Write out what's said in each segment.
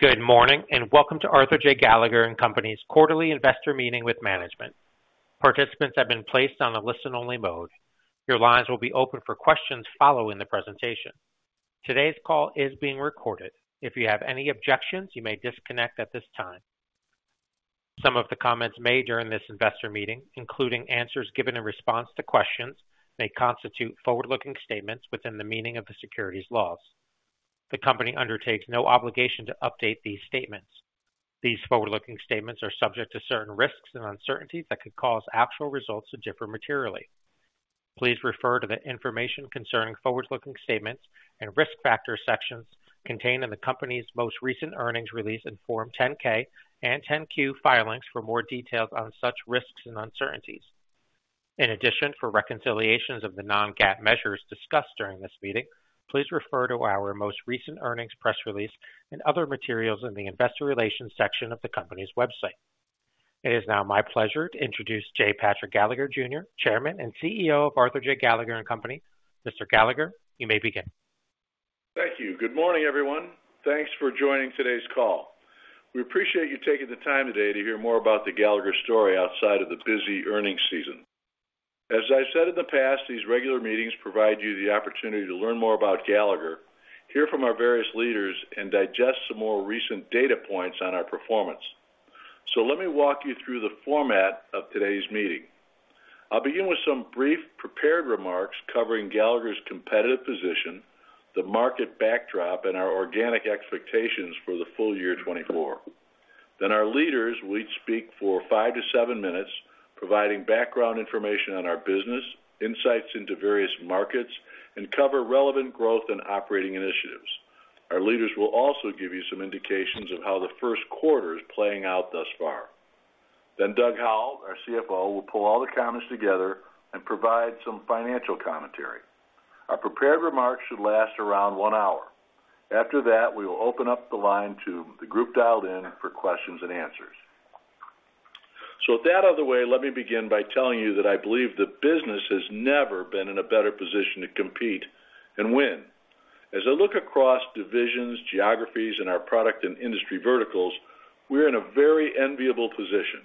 Good morning and welcome to Arthur J. Gallagher & Co.'s quarterly investor meeting with management. Participants have been placed on a listen-only mode. Your lines will be open for questions following the presentation. Today's call is being recorded. If you have any objections, you may disconnect at this time. Some of the comments made during this investor meeting, including answers given in response to questions, may constitute forward-looking statements within the meaning of the securities laws. The company undertakes no obligation to update these statements. These forward-looking statements are subject to certain risks and uncertainties that could cause actual results to differ materially. Please refer to the information concerning forward-looking statements and risk factors sections contained in the company's most recent earnings release and Form 10-K and 10-Q filings for more details on such risks and uncertainties. In addition, for reconciliations of the non-GAAP measures discussed during this meeting, please refer to our most recent earnings press release and other materials in the investor relations section of the company's website. It is now my pleasure to introduce J. Patrick Gallagher, Jr., Chairman and CEO of Arthur J. Gallagher & Co. Mr. Gallagher, you may begin. Thank you. Good morning, everyone. Thanks for joining today's call. We appreciate you taking the time today to hear more about the Gallagher story outside of the busy earnings season. As I've said in the past, these regular meetings provide you the opportunity to learn more about Gallagher, hear from our various leaders, and digest some more recent data points on our performance. So let me walk you through the format of today's meeting. I'll begin with some brief prepared remarks covering Gallagher's competitive position, the market backdrop, and our organic expectations for the full year 2024. Then our leaders will each speak for five to seven minutes, providing background information on our business, insights into various markets, and cover relevant growth and operating initiatives. Our leaders will also give you some indications of how the first quarter is playing out thus far. Doug Howell, our CFO, will pull all the comments together and provide some financial commentary. Our prepared remarks should last around one hour. After that, we will open up the line to the group dialed in for questions and answers. So with that out of the way, let me begin by telling you that I believe the business has never been in a better position to compete and win. As I look across divisions, geographies, and our product and industry verticals, we're in a very enviable position.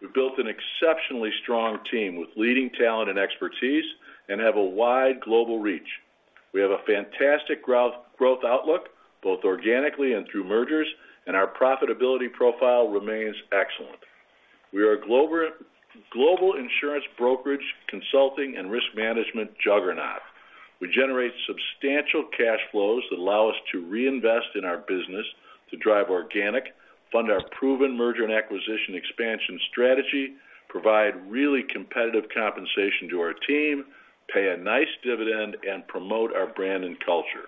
We've built an exceptionally strong team with leading talent and expertise and have a wide global reach. We have a fantastic growth outlook, both organically and through mergers, and our profitability profile remains excellent. We are a global insurance, brokerage, consulting, and risk management juggernaut. We generate substantial cash flows that allow us to reinvest in our business, to drive organic, fund our proven merger and acquisition expansion strategy, provide really competitive compensation to our team, pay a nice dividend, and promote our brand and culture.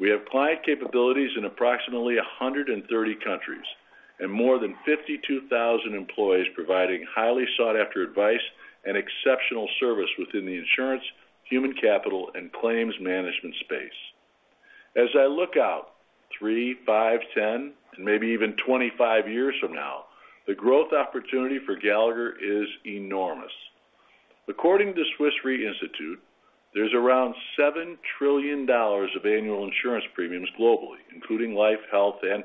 We have client capabilities in approximately 130 countries and more than 52,000 employees providing highly sought-after advice and exceptional service within the insurance, human capital, and claims management space. As I look out 3, 5, 10, and maybe even 25 years from now, the growth opportunity for Gallagher is enormous. According to the Swiss Re Institute, there's around $7 trillion of annual insurance premiums globally, including life, health, and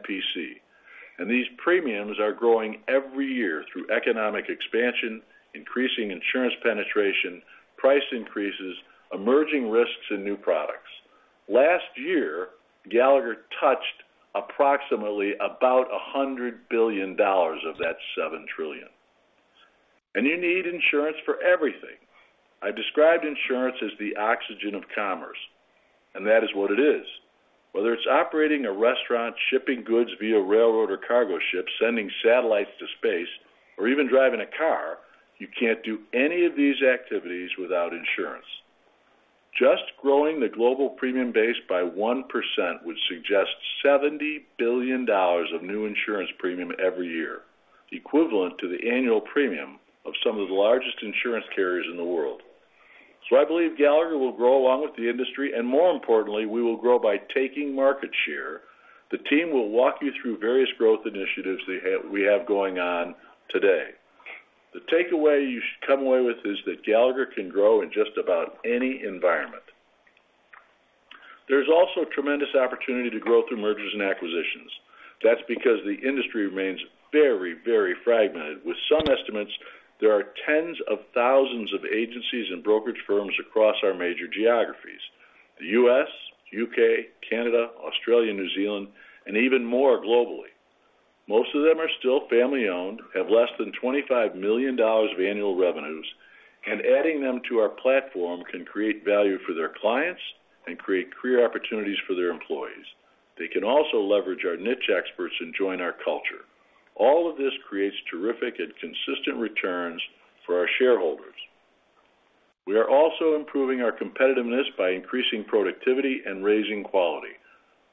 P&C. These premiums are growing every year through economic expansion, increasing insurance penetration, price increases, emerging risks, and new products. Last year, Gallagher touched approximately about $100 billion of that $7 trillion. You need insurance for everything. I've described insurance as the oxygen of commerce, and that is what it is. Whether it's operating a restaurant, shipping goods via railroad or cargo ships, sending satellites to space, or even driving a car, you can't do any of these activities without insurance. Just growing the global premium base by 1% would suggest $70 billion of new insurance premium every year, equivalent to the annual premium of some of the largest insurance carriers in the world. So I believe Gallagher will grow along with the industry, and more importantly, we will grow by taking market share. The team will walk you through various growth initiatives we have going on today. The takeaway you should come away with is that Gallagher can grow in just about any environment. There's also tremendous opportunity to grow through mergers and acquisitions. That's because the industry remains very, very fragmented. With some estimates, there are tens of thousands of agencies and brokerage firms across our major geographies: the U.S., U.K., Canada, Australia, New Zealand, and even more globally. Most of them are still family-owned, have less than $25 million of annual revenues, and adding them to our platform can create value for their clients and create career opportunities for their employees. They can also leverage our niche experts and join our culture. All of this creates terrific and consistent returns for our shareholders. We are also improving our competitiveness by increasing productivity and raising quality.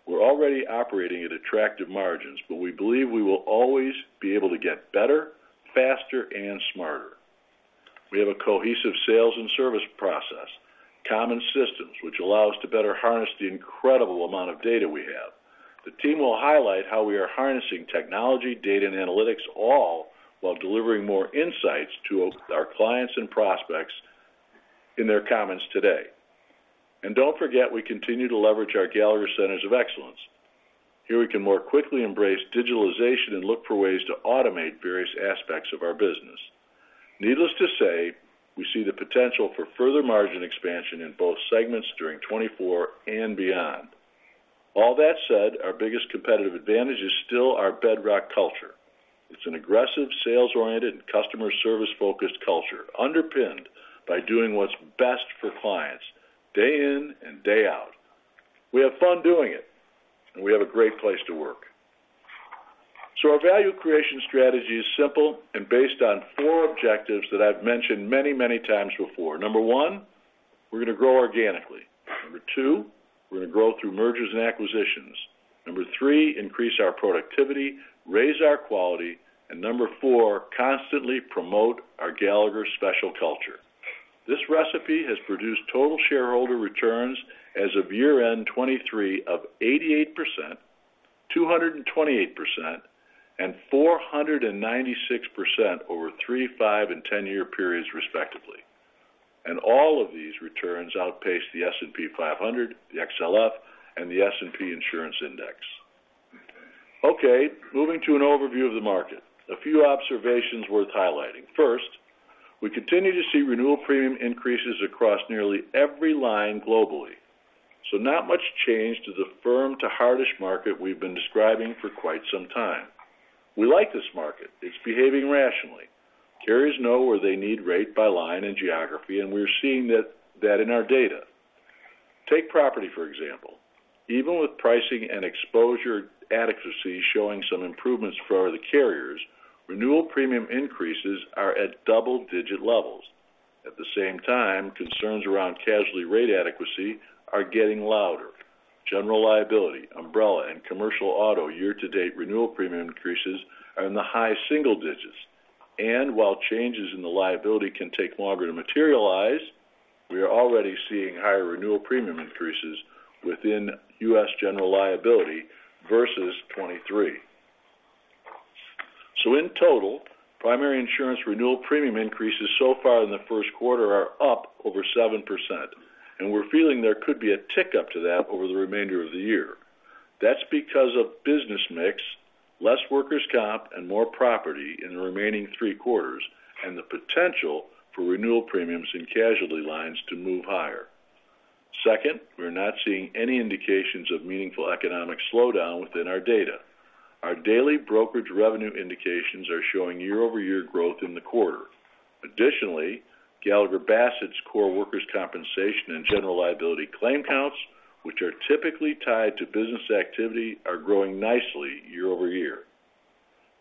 We're already operating at attractive margins, but we believe we will always be able to get better, faster, and smarter. We have a cohesive sales and service process, common systems, which allows us to better harness the incredible amount of data we have. The team will highlight how we are harnessing technology, data, and analytics all while delivering more insights to our clients and prospects in their comments today. And don't forget, we continue to leverage our Gallagher Centers of Excellence. Here we can more quickly embrace digitalization and look for ways to automate various aspects of our business. Needless to say, we see the potential for further margin expansion in both segments during 2024 and beyond. All that said, our biggest competitive advantage is still our bedrock culture. It's an aggressive, sales-oriented, and customer service-focused culture underpinned by doing what's best for clients day in and day out. We have fun doing it, and we have a great place to work. So our value creation strategy is simple and based on four objectives that I've mentioned many, many times before. Number one, we're going to grow organically. Number 2, we're going to grow through mergers and acquisitions. Number 3, increase our productivity, raise our quality. Number 4, constantly promote our Gallagher special culture. This recipe has produced total shareholder returns as of year-end 2023 of 88%, 228%, and 496% over 3, 5, and 10-year periods, respectively. All of these returns outpace the S&P 500, the XLF, and the S&P Insurance Index. Okay, moving to an overview of the market. A few observations worth highlighting. First, we continue to see renewal premium increases across nearly every line globally. So not much change to the firmest-to-hardest market we've been describing for quite some time. We like this market. It's behaving rationally. Carriers know where they need rate by line and geography, and we're seeing that in our data. Take property, for example. Even with pricing and exposure adequacy showing some improvements for the carriers, renewal premium increases are at double-digit levels. At the same time, concerns around casualty rate adequacy are getting louder. General Liability, Umbrella, and Commercial Auto year-to-date renewal premium increases are in the high single digits. While changes in the liability can take longer to materialize, we are already seeing higher renewal premium increases within U.S. General Liability versus 2023. In total, primary insurance renewal premium increases so far in the first quarter are up over 7%, and we're feeling there could be a tick up to that over the remainder of the year. That's because of business mix, less workers' comp, and more property in the remaining three quarters, and the potential for renewal premiums in casualty lines to move higher. Second, we're not seeing any indications of meaningful economic slowdown within our data. Our daily brokerage revenue indications are showing year-over-year growth in the quarter. Additionally, Gallagher Bassett's core workers' compensation and general liability claim counts, which are typically tied to business activity, are growing nicely year-over-year.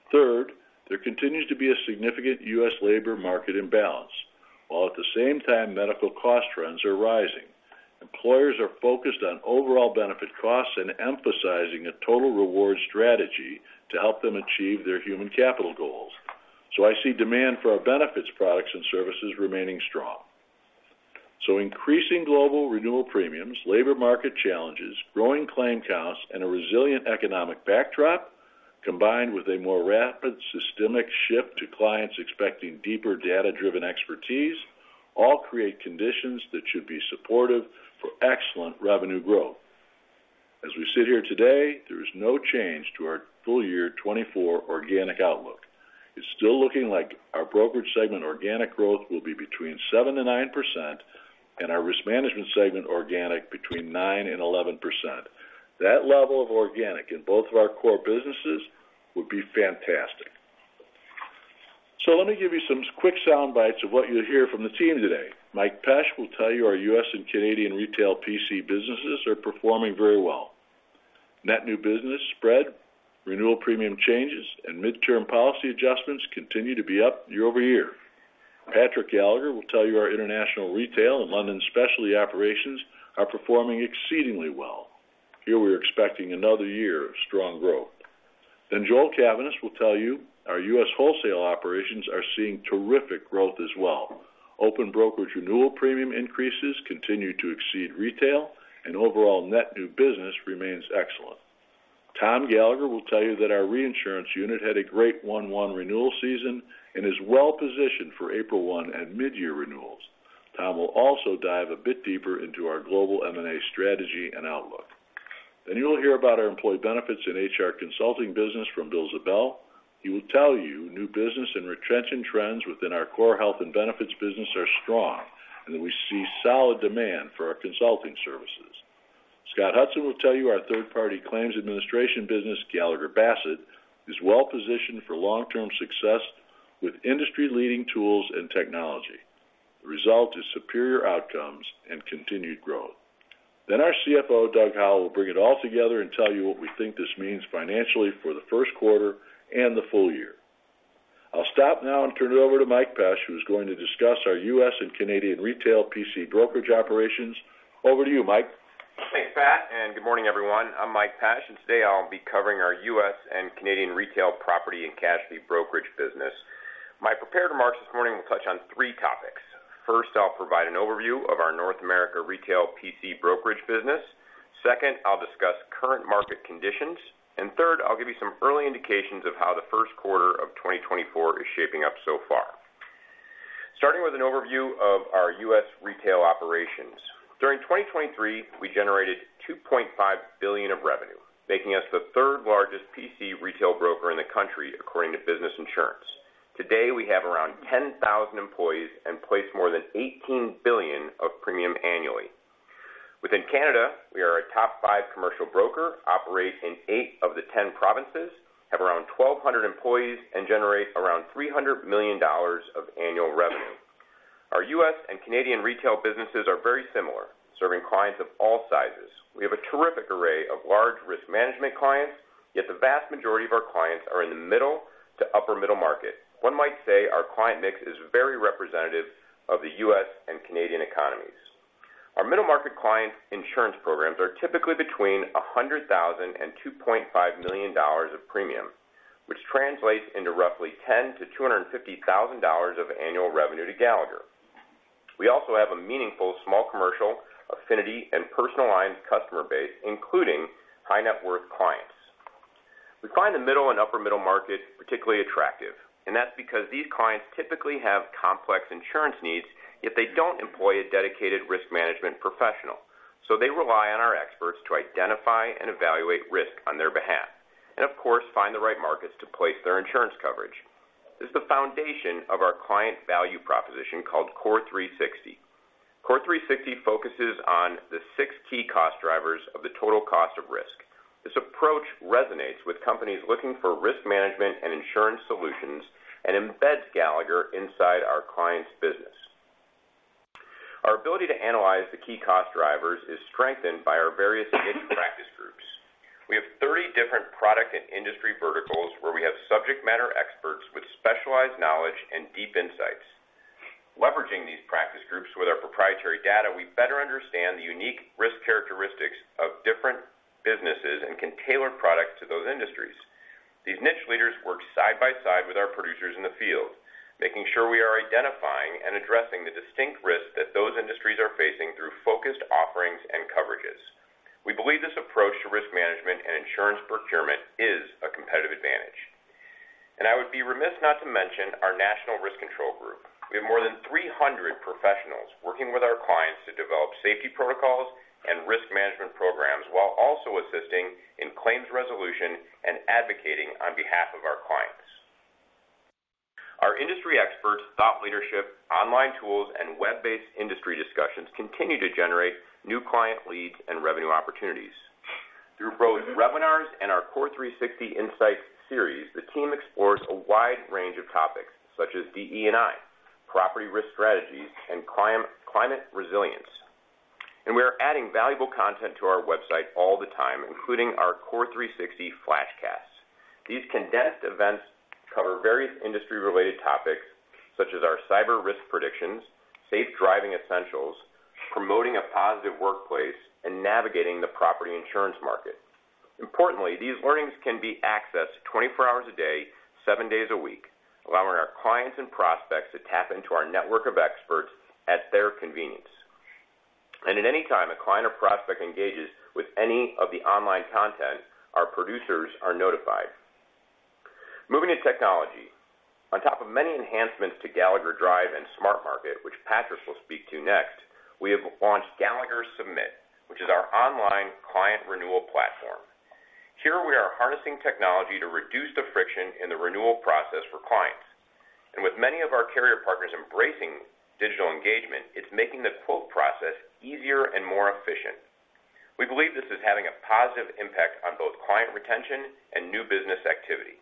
Third, there continues to be a significant U.S. labor market imbalance, while at the same time, medical cost runs are rising. Employers are focused on overall benefit costs and emphasizing a total reward strategy to help them achieve their human capital goals. So I see demand for our benefits products and services remaining strong. So increasing global renewal premiums, labor market challenges, growing claim counts, and a resilient economic backdrop, combined with a more rapid systemic shift to clients expecting deeper data-driven expertise, all create conditions that should be supportive for excellent revenue growth. As we sit here today, there is no change to our full year 2024 organic outlook. It's still looking like our brokerage segment organic growth will be between 7% and 9%, and our risk management segment organic between 9% and 11%. That level of organic in both of our core businesses would be fantastic. So let me give you some quick sound bites of what you'll hear from the team today. Mike Pesch will tell you our U.S. and Canadian retail P&C businesses are performing very well. Net new business spread, renewal premium changes, and midterm policy adjustments continue to be up year-over-year. Patrick Gallagher will tell you our international retail and London specialty operations are performing exceedingly well. Here we are expecting another year of strong growth. Then Joel Cavaness will tell you our U.S. wholesale operations are seeing terrific growth as well. Open brokerage renewal premium increases continue to exceed retail, and overall net new business remains excellent. Tom Gallagher will tell you that our reinsurance unit had a great 1/1 renewal season and is well positioned for April 1 and mid-year renewals. Tom will also dive a bit deeper into our global M&A strategy and outlook. You will hear about our Employee Benefits and HR consulting business from Bill Ziebell. He will tell you new business and retention trends within our core health and benefits business are strong and that we see solid demand for our consulting services. Scott Hudson will tell you our third-party claims administration business, Gallagher Bassett, is well positioned for long-term success with industry-leading tools and technology. The result is superior outcomes and continued growth. Our CFO, Doug Howell, will bring it all together and tell you what we think this means financially for the first quarter and the full year. I'll stop now and turn it over to Mike Pesch, who is going to discuss our U.S. and Canadian retail P&C brokerage operations. Over to you, Mike. Thanks, Pat. And good morning, everyone. I'm Mike Pesch, and today I'll be covering our U.S. and Canadian retail property and casualty brokerage business. My prepared remarks this morning will touch on three topics. First, I'll provide an overview of our North America retail P&C brokerage business. Second, I'll discuss current market conditions. And third, I'll give you some early indications of how the first quarter of 2024 is shaping up so far. Starting with an overview of our U.S. retail operations. During 2023, we generated $2.5 billion of revenue, making us the third-largest P&C retail broker in the country according to Business Insurance. Today, we have around 10,000 employees and place more than $18 billion of premium annually. Within Canada, we are a top five commercial broker, operate in 8 of the 10 provinces, have around 1,200 employees, and generate around $300 million of annual revenue. Our U.S. and Canadian retail businesses are very similar, serving clients of all sizes. We have a terrific array of large risk management clients, yet the vast majority of our clients are in the middle to upper-middle market. One might say our client mix is very representative of the U.S. and Canadian economies. Our middle-market client insurance programs are typically between $100,000-$2.5 million of premium, which translates into roughly $10,000-$250,000 of annual revenue to Gallagher. We also have a meaningful small commercial affinity and personal lines customer base, including high-net-worth clients. We find the middle and upper-middle market particularly attractive, and that's because these clients typically have complex insurance needs yet they don't employ a dedicated risk management professional. So they rely on our experts to identify and evaluate risk on their behalf and, of course, find the right markets to place their insurance coverage. This is the foundation of our client value proposition called CORE360. CORE360 focuses on the six key cost drivers of the total cost of risk. This approach resonates with companies looking for risk management and insurance solutions and embeds Gallagher inside our clients' business. Our ability to analyze the key cost drivers is strengthened by our various niche practice groups. We have 30 different product and industry verticals where we have subject matter experts with specialized knowledge and deep insights. Leveraging these practice groups with our proprietary data, we better understand the unique risk characteristics of different businesses and can tailor products to those industries. These niche leaders work side by side with our producers in the field, making sure we are identifying and addressing the distinct risks that those industries are facing through focused offerings and coverages. We believe this approach to risk management and insurance procurement is a competitive advantage. I would be remiss not to mention our National Risk Control Group. We have more than 300 professionals working with our clients to develop safety protocols and risk management programs while also assisting in claims resolution and advocating on behalf of our clients. Our industry experts, thought leadership, online tools, and web-based industry discussions continue to generate new client leads and revenue opportunities. Through both webinars and our CORE360 Insights series, the team explores a wide range of topics such as DE&I, property risk strategies, and climate resilience. We are adding valuable content to our website all the time, including our CORE360 Flashcasts. These condensed events cover various industry-related topics such as our Cyber Risk Predictions, Safe Driving Essentials, Promoting a Positive Workplace, and Navigating the Property Insurance Market. Importantly, these learnings can be accessed 24 hours a day, 7 days a week, allowing our clients and prospects to tap into our network of experts at their convenience. And at any time a client or prospect engages with any of the online content, our producers are notified. Moving to technology. On top of many enhancements to Gallagher Drive and SmartMarket, which Patrick will speak to next, we have launched Gallagher Submit, which is our online client renewal platform. Here we are harnessing technology to reduce the friction in the renewal process for clients. With many of our carrier partners embracing digital engagement, it's making the quote process easier and more efficient. We believe this is having a positive impact on both client retention and new business activity.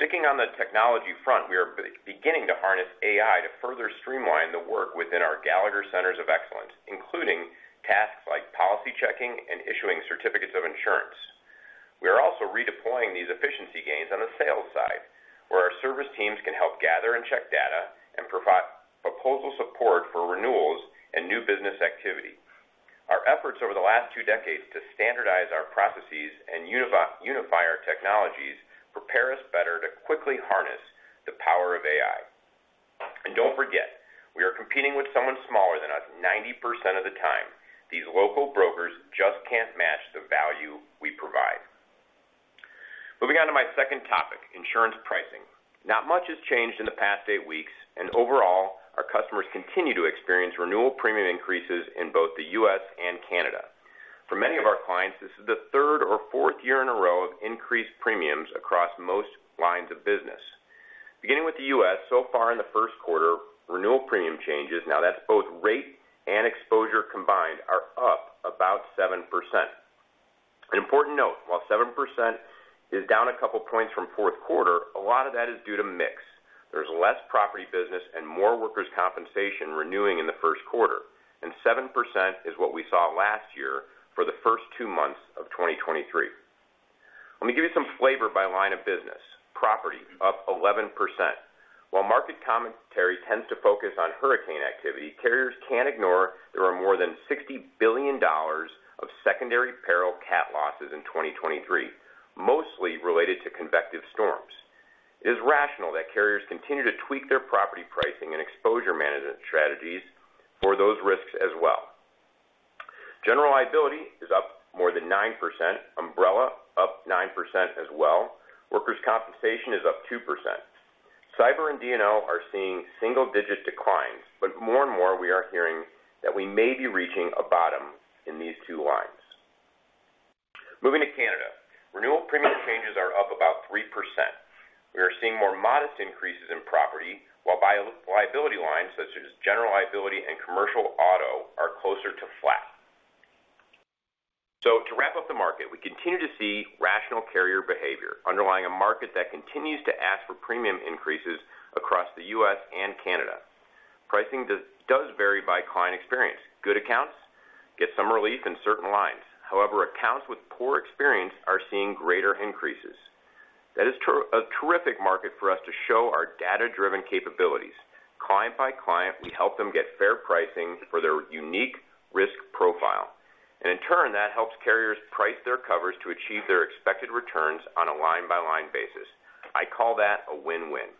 Sticking on the technology front, we are beginning to harness AI to further streamline the work within our Gallagher Centers of Excellence, including tasks like policy checking and issuing certificates of insurance. We are also redeploying these efficiency gains on the sales side, where our service teams can help gather and check data and provide proposal support for renewals and new business activity. Our efforts over the last two decades to standardize our processes and unify our technologies prepare us better to quickly harness the power of AI. And don't forget, we are competing with someone smaller than us 90% of the time. These local brokers just can't match the value we provide. Moving on to my second topic, insurance pricing. Not much has changed in the past 8 weeks, and overall, our customers continue to experience renewal premium increases in both the U.S. and Canada. For many of our clients, this is the third or fourth year in a row of increased premiums across most lines of business. Beginning with the U.S., so far in the first quarter, renewal premium changes (now that's both rate and exposure combined) are up about 7%. An important note: while 7% is down a couple points from fourth quarter, a lot of that is due to mix. There's less property business and more Workers' Compensation renewing in the first quarter, and 7% is what we saw last year for the first two months of 2023. Let me give you some flavor by line of business. Property up 11%. While market commentary tends to focus on hurricane activity, carriers can't ignore there are more than $60 billion of secondary peril cat losses in 2023, mostly related to convective storms. It is rational that carriers continue to tweak their property pricing and exposure management strategies for those risks as well. General Liability is up more than 9%. Umbrella up 9% as well. Workers' compensation is up 2%. Cyber and D&O are seeing single-digit declines, but more and more, we are hearing that we may be reaching a bottom in these two lines. Moving to Canada, renewal premium changes are up about 3%. We are seeing more modest increases in property, while liability lines such as General Liability and Commercial Auto are closer to flat. To wrap up the market, we continue to see rational carrier behavior underlying a market that continues to ask for premium increases across the U.S. and Canada. Pricing does vary by client experience. Good accounts get some relief in certain lines. However, accounts with poor experience are seeing greater increases. That is a terrific market for us to show our data-driven capabilities. Client by client, we help them get fair pricing for their unique risk profile. And in turn, that helps carriers price their covers to achieve their expected returns on a line-by-line basis. I call that a win-win.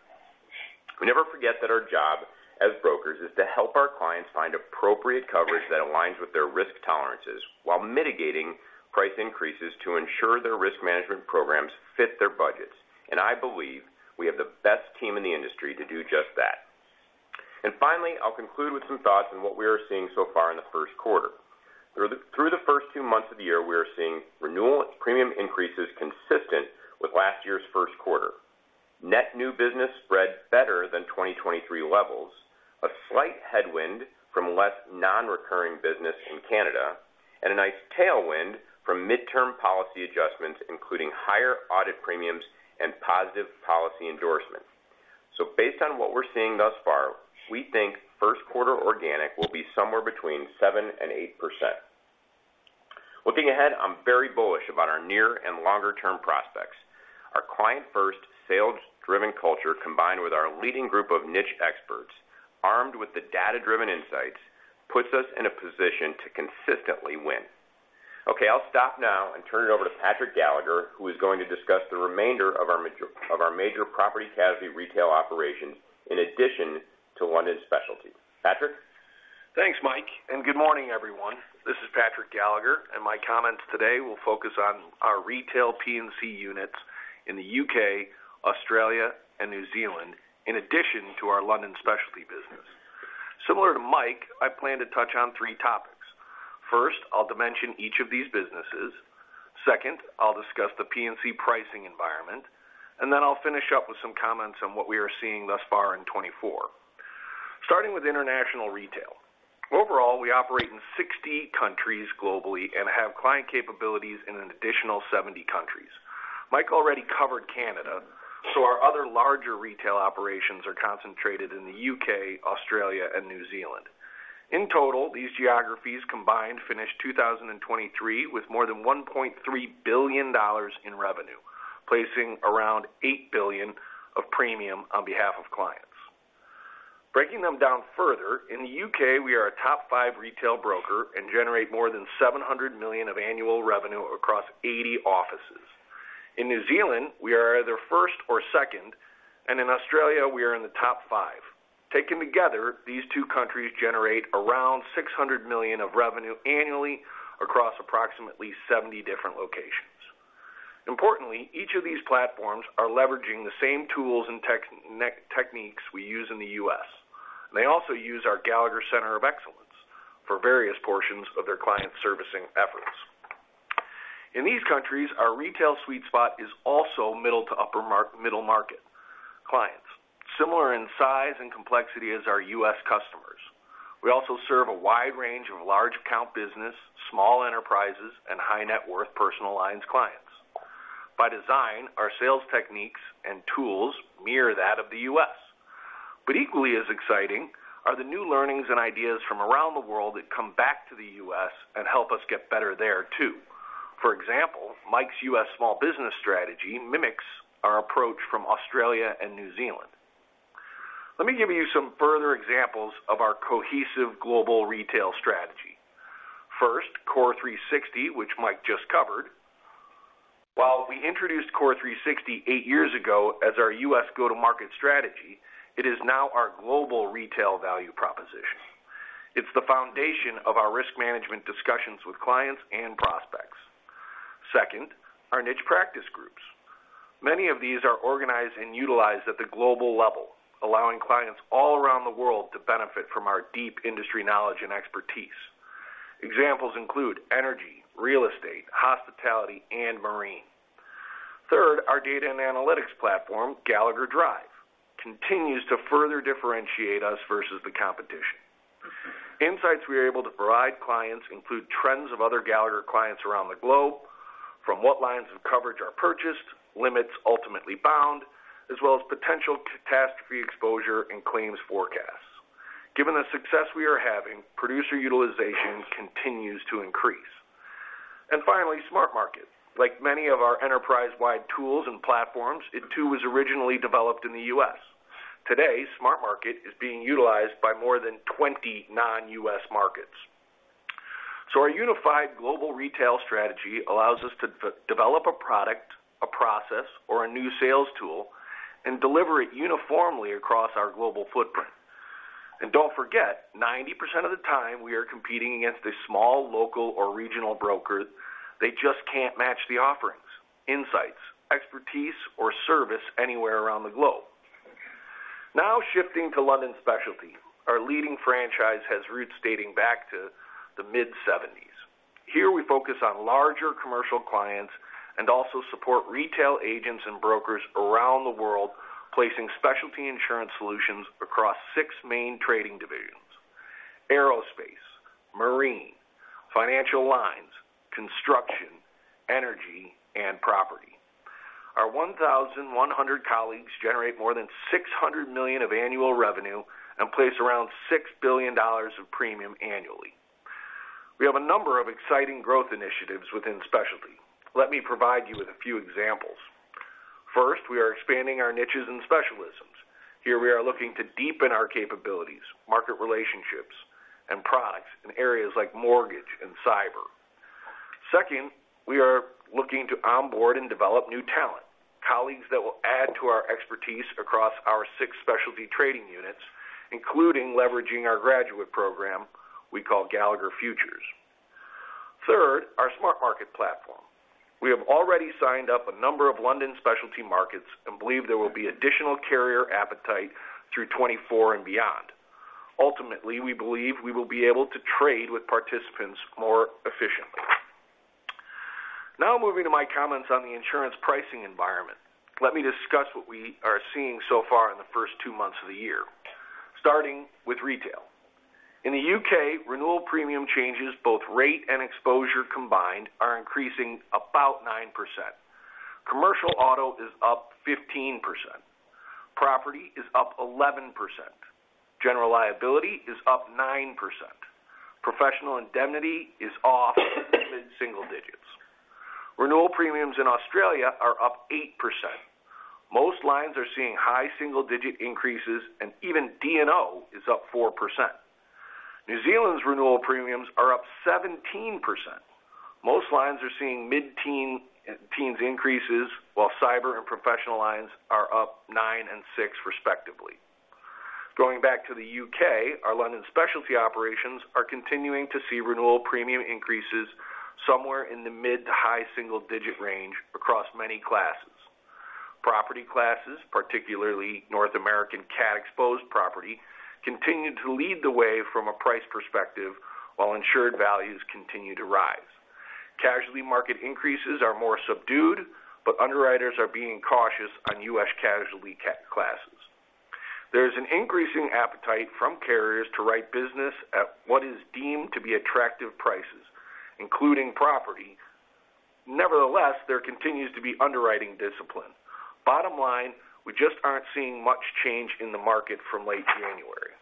We never forget that our job as brokers is to help our clients find appropriate coverage that aligns with their risk tolerances while mitigating price increases to ensure their risk management programs fit their budgets. I believe we have the best team in the industry to do just that. Finally, I'll conclude with some thoughts on what we are seeing so far in the first quarter. Through the first two months of the year, we are seeing renewal premium increases consistent with last year's first quarter. Net new business spread better than 2023 levels, a slight headwind from less non-recurring business in Canada, and a nice tailwind from midterm policy adjustments, including higher audit premiums and positive policy endorsements. Based on what we're seeing thus far, we think first quarter organic will be somewhere between 7% and 8%. Looking ahead, I'm very bullish about our near and longer-term prospects. Our client-first, sales-driven culture combined with our leading group of niche experts, armed with the data-driven insights, puts us in a position to consistently win. Okay, I'll stop now and turn it over to Patrick Gallagher, who is going to discuss the remainder of our major property casualty retail operations in addition to London specialty. Patrick? Thanks, Mike, and good morning, everyone. This is Patrick Gallagher, and my comments today will focus on our retail P&C units in the U.K., Australia, and New Zealand, in addition to our London specialty business. Similar to Mike, I plan to touch on three topics. First, I'll dimension each of these businesses. Second, I'll discuss the P&C pricing environment, and then I'll finish up with some comments on what we are seeing thus far in 2024. Starting with international retail. Overall, we operate in 60 countries globally and have client capabilities in an additional 70 countries. Mike already covered Canada, so our other larger retail operations are concentrated in the U.K., Australia, and New Zealand. In total, these geographies combined finished 2023 with more than $1.3 billion in revenue, placing around $8 billion of premium on behalf of clients. Breaking them down further, in the U.K., we are a top five retail broker and generate more than $700 million of annual revenue across 80 offices. In New Zealand, we are either first or second, and in Australia, we are in the top five. Taken together, these two countries generate around $600 million of revenue annually across approximately 70 different locations. Importantly, each of these platforms are leveraging the same tools and techniques we use in the U.S., and they also use our Gallagher Center of Excellence for various portions of their client servicing efforts. In these countries, our retail sweet spot is also middle to upper-middle market clients, similar in size and complexity as our U.S. customers. We also serve a wide range of large-account business, small enterprises, and high-net-worth personal lines clients. By design, our sales techniques and tools mirror that of the U.S. But equally as exciting are the new learnings and ideas from around the world that come back to the U.S. and help us get better there too. For example, Mike's U.S. small business strategy mimics our approach from Australia and New Zealand. Let me give you some further examples of our cohesive global retail strategy. First, CORE360, which Mike just covered. While we introduced CORE360 eight years ago as our U.S. go-to-market strategy, it is now our global retail value proposition. It's the foundation of our risk management discussions with clients and prospects. Second, our niche practice groups. Many of these are organized and utilized at the global level, allowing clients all around the world to benefit from our deep industry knowledge and expertise. Examples include energy, real estate, hospitality, and marine. Third, our data and analytics platform, Gallagher Drive, continues to further differentiate us versus the competition. Insights we are able to provide clients include trends of other Gallagher clients around the globe, from what lines of coverage are purchased, limits ultimately bound, as well as potential catastrophe exposure and claims forecasts. Given the success we are having, producer utilization continues to increase. And finally, SmartMarket. Like many of our enterprise-wide tools and platforms, it too was originally developed in the U.S. Today, SmartMarket is being utilized by more than 20 non-U.S. markets. So our unified global retail strategy allows us to develop a product, a process, or a new sales tool, and deliver it uniformly across our global footprint. And don't forget, 90% of the time, we are competing against a small, local, or regional broker. They just can't match the offerings, insights, expertise, or service anywhere around the globe. Now shifting to London Specialty. Our leading franchise has roots dating back to the mid-1970s. Here, we focus on larger commercial clients and also support retail agents and brokers around the world, placing specialty insurance solutions across six main trading divisions: aerospace, marine, financial lines, construction, energy, and property. Our 1,100 colleagues generate more than $600 million of annual revenue and place around $6 billion of premium annually. We have a number of exciting growth initiatives within specialty. Let me provide you with a few examples. First, we are expanding our niches and specialisms. Here, we are looking to deepen our capabilities, market relationships, and products in areas like mortgage and cyber. Second, we are looking to onboard and develop new talent, colleagues that will add to our expertise across our six specialty trading units, including leveraging our graduate program we call Gallagher Futures. Third, our SmartMarket platform. We have already signed up a number of London specialty markets and believe there will be additional carrier appetite through 2024 and beyond. Ultimately, we believe we will be able to trade with participants more efficiently. Now moving to my comments on the insurance pricing environment. Let me discuss what we are seeing so far in the first two months of the year, starting with retail. In the U.K., renewal premium changes, both rate and exposure combined, are increasing about 9%. Commercial Auto is up 15%. Property is up 11%. General Liability is up 9%. Professional Indemnity is off mid-single digits. Renewal premiums in Australia are up 8%. Most lines are seeing high single-digit increases, and even D&O is up 4%. New Zealand's renewal premiums are up 17%. Most lines are seeing mid-teens increases, while cyber and professional lines are up 9% and 6%, respectively. Going back to the U.K., our London specialty operations are continuing to see renewal premium increases somewhere in the mid- to high single-digit range across many classes. Property classes, particularly North American cat-exposed property, continue to lead the way from a price perspective while insured values continue to rise. Casualty market increases are more subdued, but underwriters are being cautious on U.S. casualty cat classes. There is an increasing appetite from carriers to write business at what is deemed to be attractive prices, including property. Nevertheless, there continues to be underwriting discipline. Bottom line, we just aren't seeing much change in the market from late January.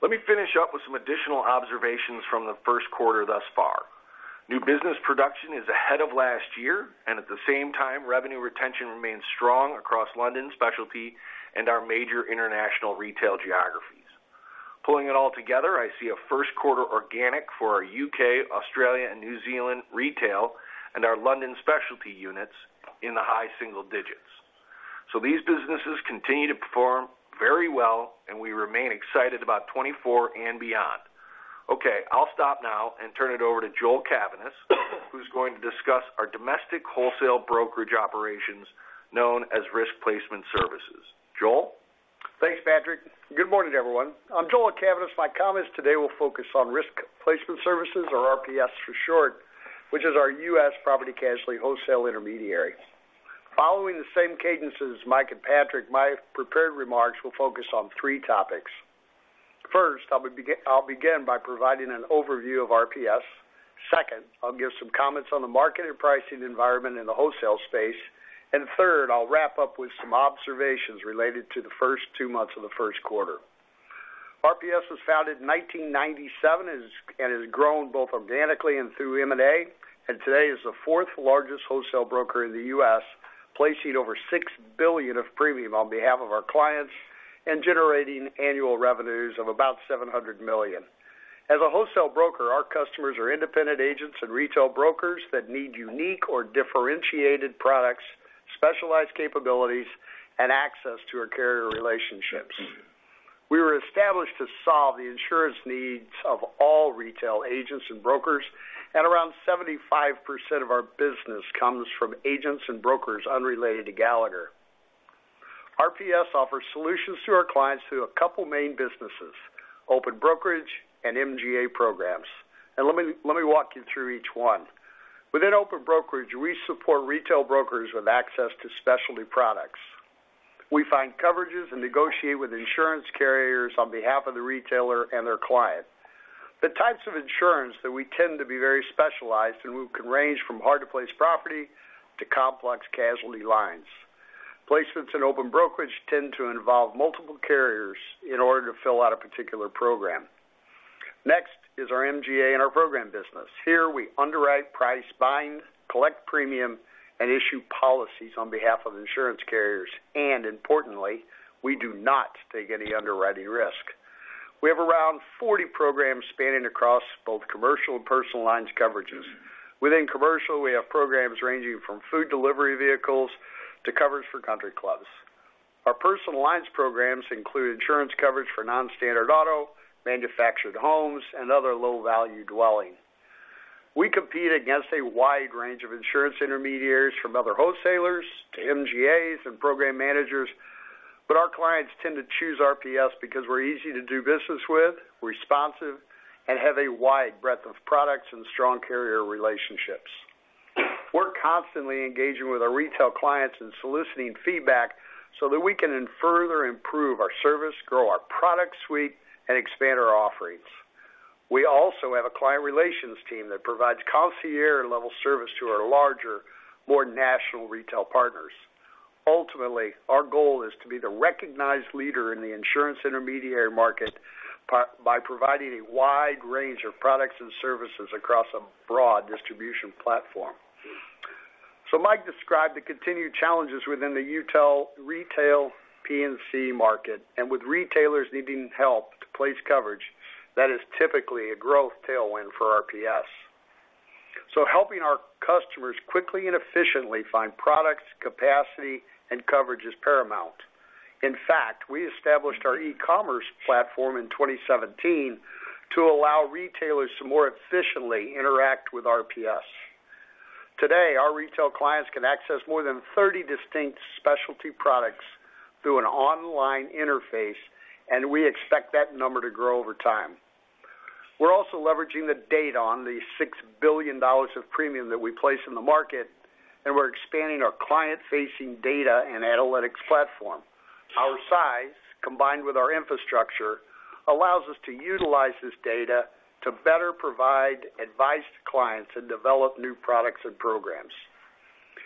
Let me finish up with some additional observations from the first quarter thus far. New business production is ahead of last year, and at the same time, revenue retention remains strong across London specialty and our major international retail geographies. Pulling it all together, I see a first quarter organic for our U.K., Australia, and New Zealand retail and our London specialty units in the high single digits. So these businesses continue to perform very well, and we remain excited about 2024 and beyond. Okay, I'll stop now and turn it over to Joel Cavaness, who's going to discuss our domestic wholesale brokerage operations known as Risk Placement Services. Joel? Thanks, Patrick. Good morning, everyone. I'm Joel Cavaness. My comments today will focus on Risk Placement Services, or RPS for short, which is our U.S. property and casualty wholesale intermediary. Following the same cadence as Mike and Patrick, my prepared remarks will focus on three topics. First, I'll begin by providing an overview of RPS. Second, I'll give some comments on the market and pricing environment in the wholesale space. And third, I'll wrap up with some observations related to the first two months of the first quarter. RPS was founded in 1997 and has grown both organically and through M&A, and today is the fourth largest wholesale broker in the U.S., placing over $6 billion of premium on behalf of our clients and generating annual revenues of about $700 million. As a wholesale broker, our customers are independent agents and retail brokers that need unique or differentiated products, specialized capabilities, and access to our carrier relationships. We were established to solve the insurance needs of all retail agents and brokers, and around 75% of our business comes from agents and brokers unrelated to Gallagher. RPS offers solutions to our clients through a couple of main businesses: open brokerage and MGA programs. Let me walk you through each one. Within open brokerage, we support retail brokers with access to specialty products. We find coverages and negotiate with insurance carriers on behalf of the retailer and their client. The types of insurance that we tend to be very specialized in can range from hard-to-place property to complex casualty lines. Placements in open brokerage tend to involve multiple carriers in order to fill out a particular program. Next is our MGA and our program business. Here, we underwrite, price, bind, collect premium, and issue policies on behalf of insurance carriers. Importantly, we do not take any underwriting risk. We have around 40 programs spanning across both commercial and personal lines coverages. Within commercial, we have programs ranging from food delivery vehicles to coverage for country clubs. Our personal lines programs include insurance coverage for non-standard auto, manufactured homes, and other low-value dwelling. We compete against a wide range of insurance intermediaries, from other wholesalers to MGAs and program managers, but our clients tend to choose RPS because we're easy to do business with, responsive, and have a wide breadth of products and strong carrier relationships. We're constantly engaging with our retail clients and soliciting feedback so that we can further improve our service, grow our product suite, and expand our offerings. We also have a client relations team that provides concierge-level service to our larger, more national retail partners. Ultimately, our goal is to be the recognized leader in the insurance intermediary market by providing a wide range of products and services across a broad distribution platform. So Mike described the continued challenges within the E&S retail P&C market, and with retailers needing help to place coverage, that is typically a growth tailwind for RPS. So helping our customers quickly and efficiently find products, capacity, and coverage is paramount. In fact, we established our e-commerce platform in 2017 to allow retailers to more efficiently interact with RPS. Today, our retail clients can access more than 30 distinct specialty products through an online interface, and we expect that number to grow over time. We're also leveraging the data on the $6 billion of premium that we place in the market, and we're expanding our client-facing data and analytics platform. Our size, combined with our infrastructure, allows us to utilize this data to better provide advice to clients and develop new products and programs.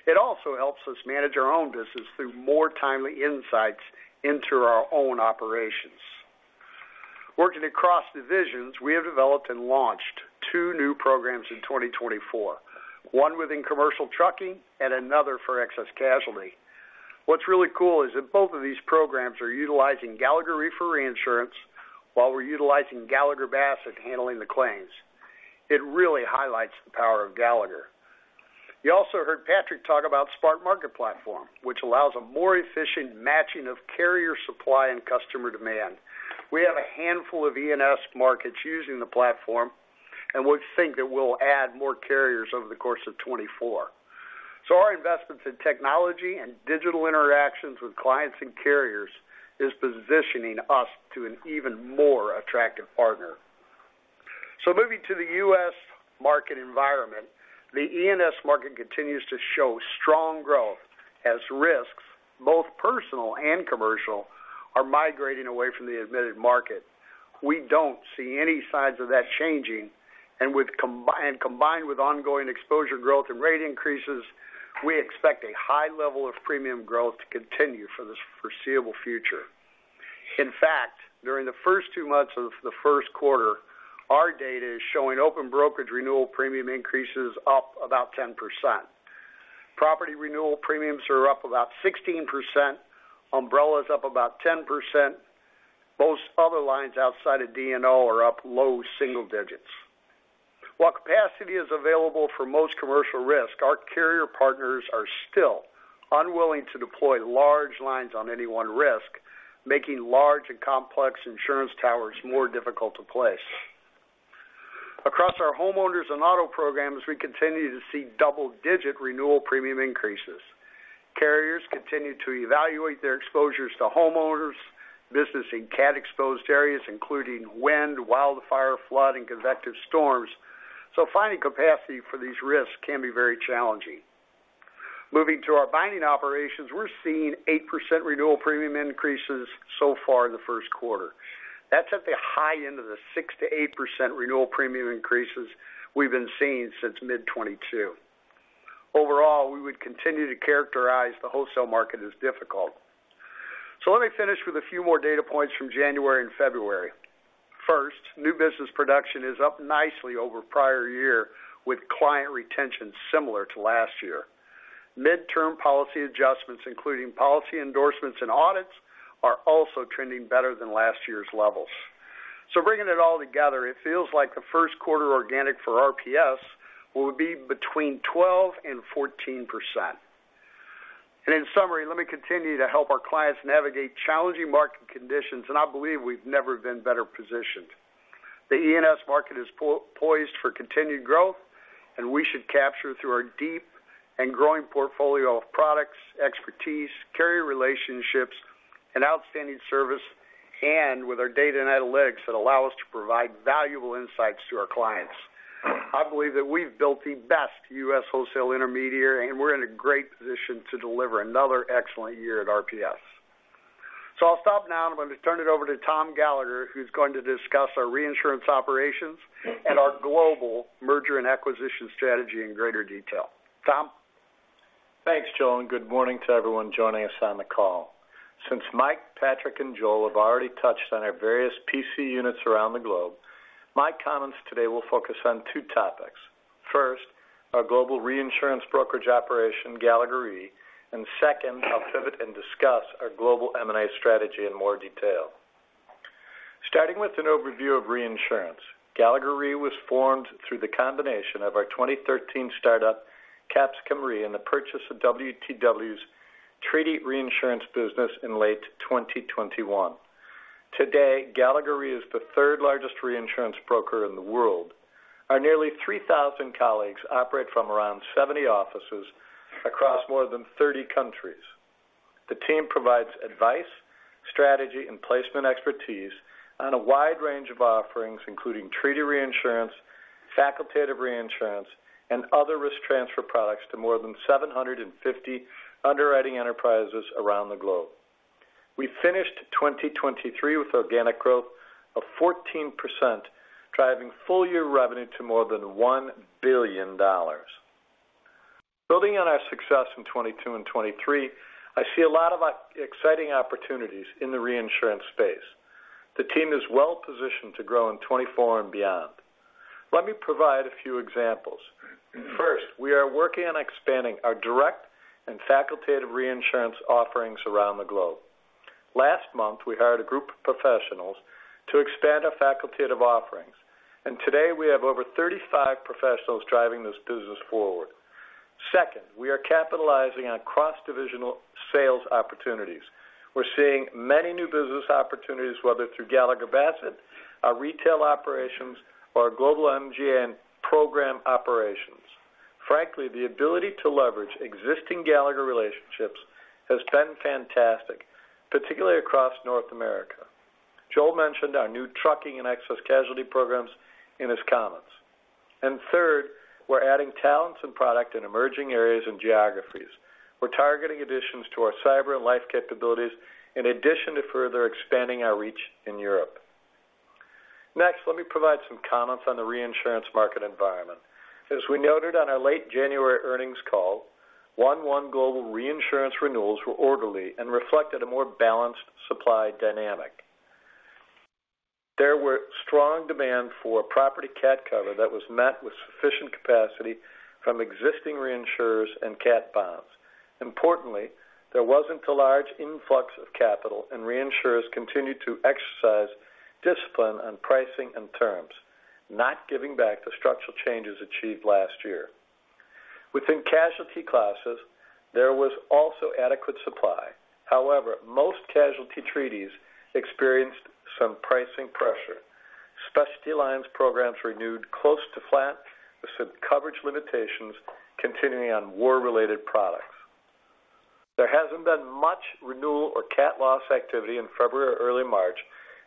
It also helps us manage our own business through more timely insights into our own operations. Working across divisions, we have developed and launched two new programs in 2024, one within commercial trucking and another for excess casualty. What's really cool is that both of these programs are utilizing Gallagher Re reinsurance while we're utilizing Gallagher Bassett at handling the claims. It really highlights the power of Gallagher. You also heard Patrick talk about SmartMarket platform, which allows a more efficient matching of carrier supply and customer demand. We have a handful of E&S markets using the platform, and we think that we'll add more carriers over the course of 2024. So our investments in technology and digital interactions with clients and carriers are positioning us to an even more attractive partner. Moving to the U.S. market environment, the E&S market continues to show strong growth as risks, both personal and commercial, are migrating away from the admitted market. We don't see any signs of that changing, and combined with ongoing exposure growth and rate increases, we expect a high level of premium growth to continue for this foreseeable future. In fact, during the first two months of the first quarter, our data is showing open brokerage renewal premium increases up about 10%. Property renewal premiums are up about 16%, umbrellas up about 10%, and most other lines outside of D&O are up low single digits. While capacity is available for most commercial risk, our carrier partners are still unwilling to deploy large lines on any one risk, making large and complex insurance towers more difficult to place. Across our homeowners and auto programs, we continue to see double-digit renewal premium increases. Carriers continue to evaluate their exposures to homeowners business in cat-exposed areas, including wind, wildfire, flood, and convective storms. So finding capacity for these risks can be very challenging. Moving to our binding operations, we're seeing 8% renewal premium increases so far in the first quarter. That's at the high end of the 6%-8% renewal premium increases we've been seeing since mid-2022. Overall, we would continue to characterize the wholesale market as difficult. So let me finish with a few more data points from January and February. First, new business production is up nicely over prior year with client retention similar to last year. Mid-term policy adjustments, including policy endorsements and audits, are also trending better than last year's levels. So bringing it all together, it feels like the first quarter organic for RPS will be between 12%-14%. And in summary, let me continue to help our clients navigate challenging market conditions, and I believe we've never been better positioned. The E&S market is poised for continued growth, and we should capture through our deep and growing portfolio of products, expertise, carrier relationships, and outstanding service, and with our data and analytics that allow us to provide valuable insights to our clients. I believe that we've built the best U.S. wholesale intermediary, and we're in a great position to deliver another excellent year at RPS. So I'll stop now, and I'm going to turn it over to Tom Gallagher, who's going to discuss our reinsurance operations and our global merger and acquisition strategy in greater detail. Tom? Thanks, Joel. And good morning to everyone joining us on the call. Since Mike, Patrick, and Joel have already touched on our various PC units around the globe, my comments today will focus on two topics. First, our global reinsurance brokerage operation, Gallagher Re, and second, I'll pivot and discuss our global M&A strategy in more detail. Starting with an overview of reinsurance, Gallagher Re was formed through the combination of our 2013 startup, Capsicum Re, and the purchase of WTW's Treaty Reinsurance business in late 2021. Today, Gallagher Re is the third-largest reinsurance broker in the world. Our nearly 3,000 colleagues operate from around 70 offices across more than 30 countries. The team provides advice, strategy, and placement expertise on a wide range of offerings, including treaty reinsurance, facultative reinsurance, and other risk transfer products to more than 750 underwriting enterprises around the globe. We finished 2023 with organic growth of 14%, driving full-year revenue to more than $1 billion. Building on our success in 2022 and 2023, I see a lot of exciting opportunities in the reinsurance space. The team is well positioned to grow in 2024 and beyond. Let me provide a few examples. First, we are working on expanding our direct and facultative reinsurance offerings around the globe. Last month, we hired a group of professionals to expand our facultative offerings, and today we have over 35 professionals driving this business forward. Second, we are capitalizing on cross-divisional sales opportunities. We're seeing many new business opportunities, whether through Gallagher Bassett, our retail operations, or our global MGA and program operations. Frankly, the ability to leverage existing Gallagher relationships has been fantastic, particularly across North America. Joel mentioned our new trucking and excess casualty programs in his comments. And third, we're adding talents and product in emerging areas and geographies. We're targeting additions to our cyber and life capabilities in addition to further expanding our reach in Europe. Next, let me provide some comments on the reinsurance market environment. As we noted on our late January earnings call, 1/1 global reinsurance renewals were orderly and reflected a more balanced supply dynamic. There was strong demand for property cat cover that was met with sufficient capacity from existing reinsurers and cat bonds. Importantly, there wasn't a large influx of capital, and reinsurers continued to exercise discipline on pricing and terms, not giving back the structural changes achieved last year. Within casualty classes, there was also adequate supply. However, most casualty treaties experienced some pricing pressure. Specialty lines programs renewed close to flat with some coverage limitations continuing on war-related products. There hasn't been much renewal or cat loss activity in February or early March,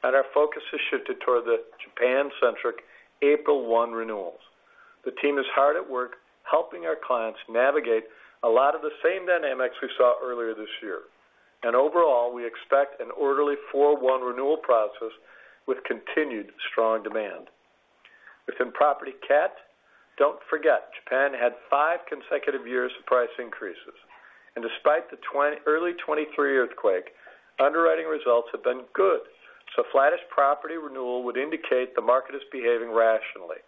and our focus has shifted toward the Japan-centric April 1 renewals. The team is hard at work helping our clients navigate a lot of the same dynamics we saw earlier this year. And overall, we expect an orderly 4/1 renewal process with continued strong demand. Within property cat, don't forget, Japan had five consecutive years of price increases. And despite the early 2023 earthquake, underwriting results have been good, so flattest property renewal would indicate the market is behaving rationally.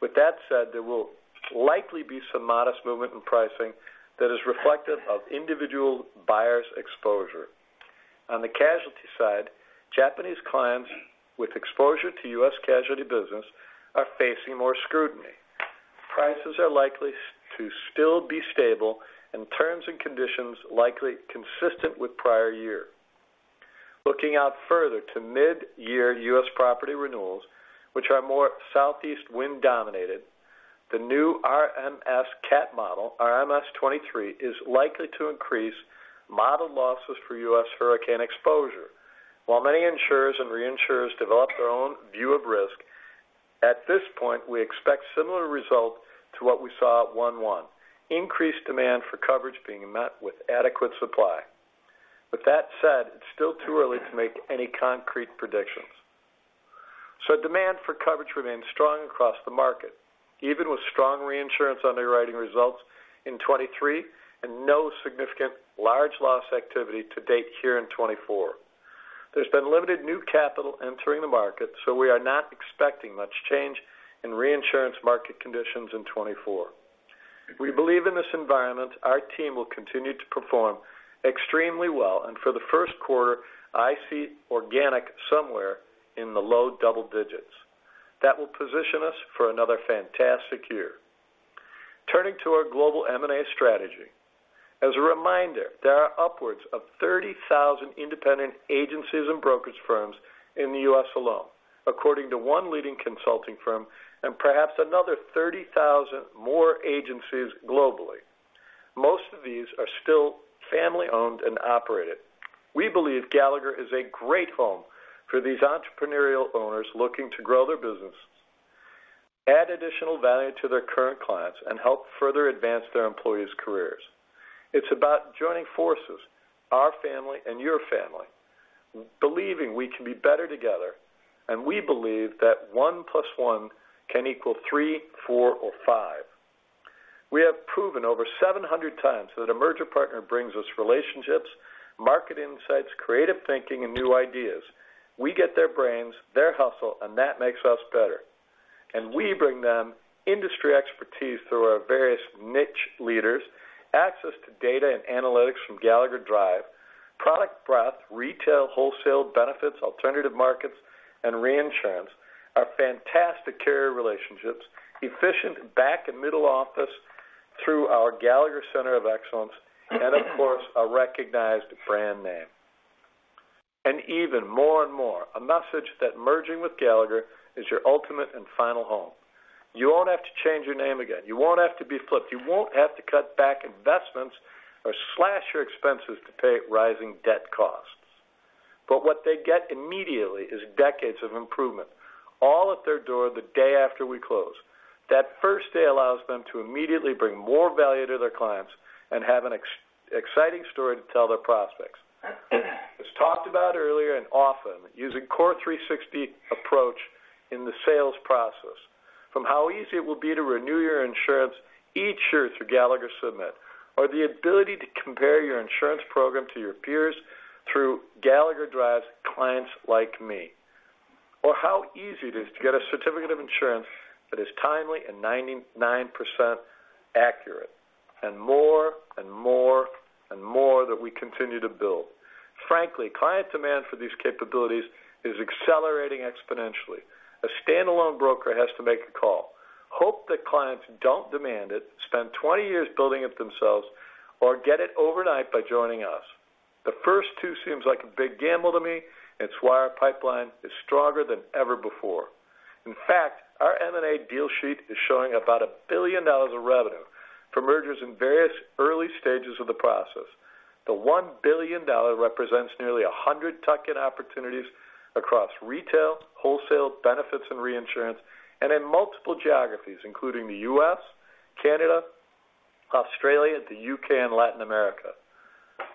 With that said, there will likely be some modest movement in pricing that is reflective of individual buyers' exposure. On the casualty side, Japanese clients with exposure to U.S. casualty business are facing more scrutiny. Prices are likely to still be stable and terms and conditions likely consistent with prior year. Looking out further to mid-year U.S. property renewals, which are more southeast wind-dominated, the new RMS cat model, RMS v23, is likely to increase model losses for U.S. hurricane exposure. While many insurers and reinsurers develop their own view of risk, at this point, we expect similar results to what we saw at 1/1, increased demand for coverage being met with adequate supply. With that said, it's still too early to make any concrete predictions. So demand for coverage remains strong across the market, even with strong reinsurance underwriting results in 2023 and no significant large loss activity to date here in 2024. There's been limited new capital entering the market, so we are not expecting much change in reinsurance market conditions in 2024. We believe in this environment our team will continue to perform extremely well, and for the first quarter, I see organic somewhere in the low double digits. That will position us for another fantastic year. Turning to our global M&A strategy. As a reminder, there are upwards of 30,000 independent agencies and brokerage firms in the U.S. alone, according to one leading consulting firm, and perhaps another 30,000 more agencies globally. Most of these are still family-owned and operated. We believe Gallagher is a great home for these entrepreneurial owners looking to grow their businesses, add additional value to their current clients, and help further advance their employees' careers. It's about joining forces, our family and your family, believing we can be better together, and we believe that one plus one can equal three, four, or five. We have proven over 700x that a merger partner brings us relationships, market insights, creative thinking, and new ideas. We get their brains, their hustle, and that makes us better. And we bring them industry expertise through our various niche leaders, access to data and analytics from Gallagher Drive, product breadth, retail, wholesale, benefits, alternative markets, and reinsurance, our fantastic carrier relationships, efficient back and middle office through our Gallagher Center of Excellence, and of course, a recognized brand name. Even more and more, a message that merging with Gallagher is your ultimate and final home. You won't have to change your name again. You won't have to be flipped. You won't have to cut back investments or slash your expenses to pay rising debt costs. But what they get immediately is decades of improvement, all at their door the day after we close. That first day allows them to immediately bring more value to their clients and have an exciting story to tell their prospects. As talked about earlier and often, using the CORE360 approach in the sales process, from how easy it will be to renew your insurance each year through Gallagher Submit, or the ability to compare your insurance program to your peers through Gallagher Drive's Clients Like Me, or how easy it is to get a certificate of insurance that is timely and 99% accurate, and more and more and more that we continue to build. Frankly, client demand for these capabilities is accelerating exponentially. A standalone broker has to make a call, hope that clients don't demand it, spend 20 years building it themselves, or get it overnight by joining us. The first two seems like a big gamble to me. It's why our pipeline is stronger than ever before. In fact, our M&A deal sheet is showing about $1 billion of revenue from mergers in various early stages of the process. The $1 billion represents nearly 100 tuck-in opportunities across retail, wholesale, benefits, and reinsurance, and in multiple geographies, including the U.S., Canada, Australia, the U.K., and Latin America.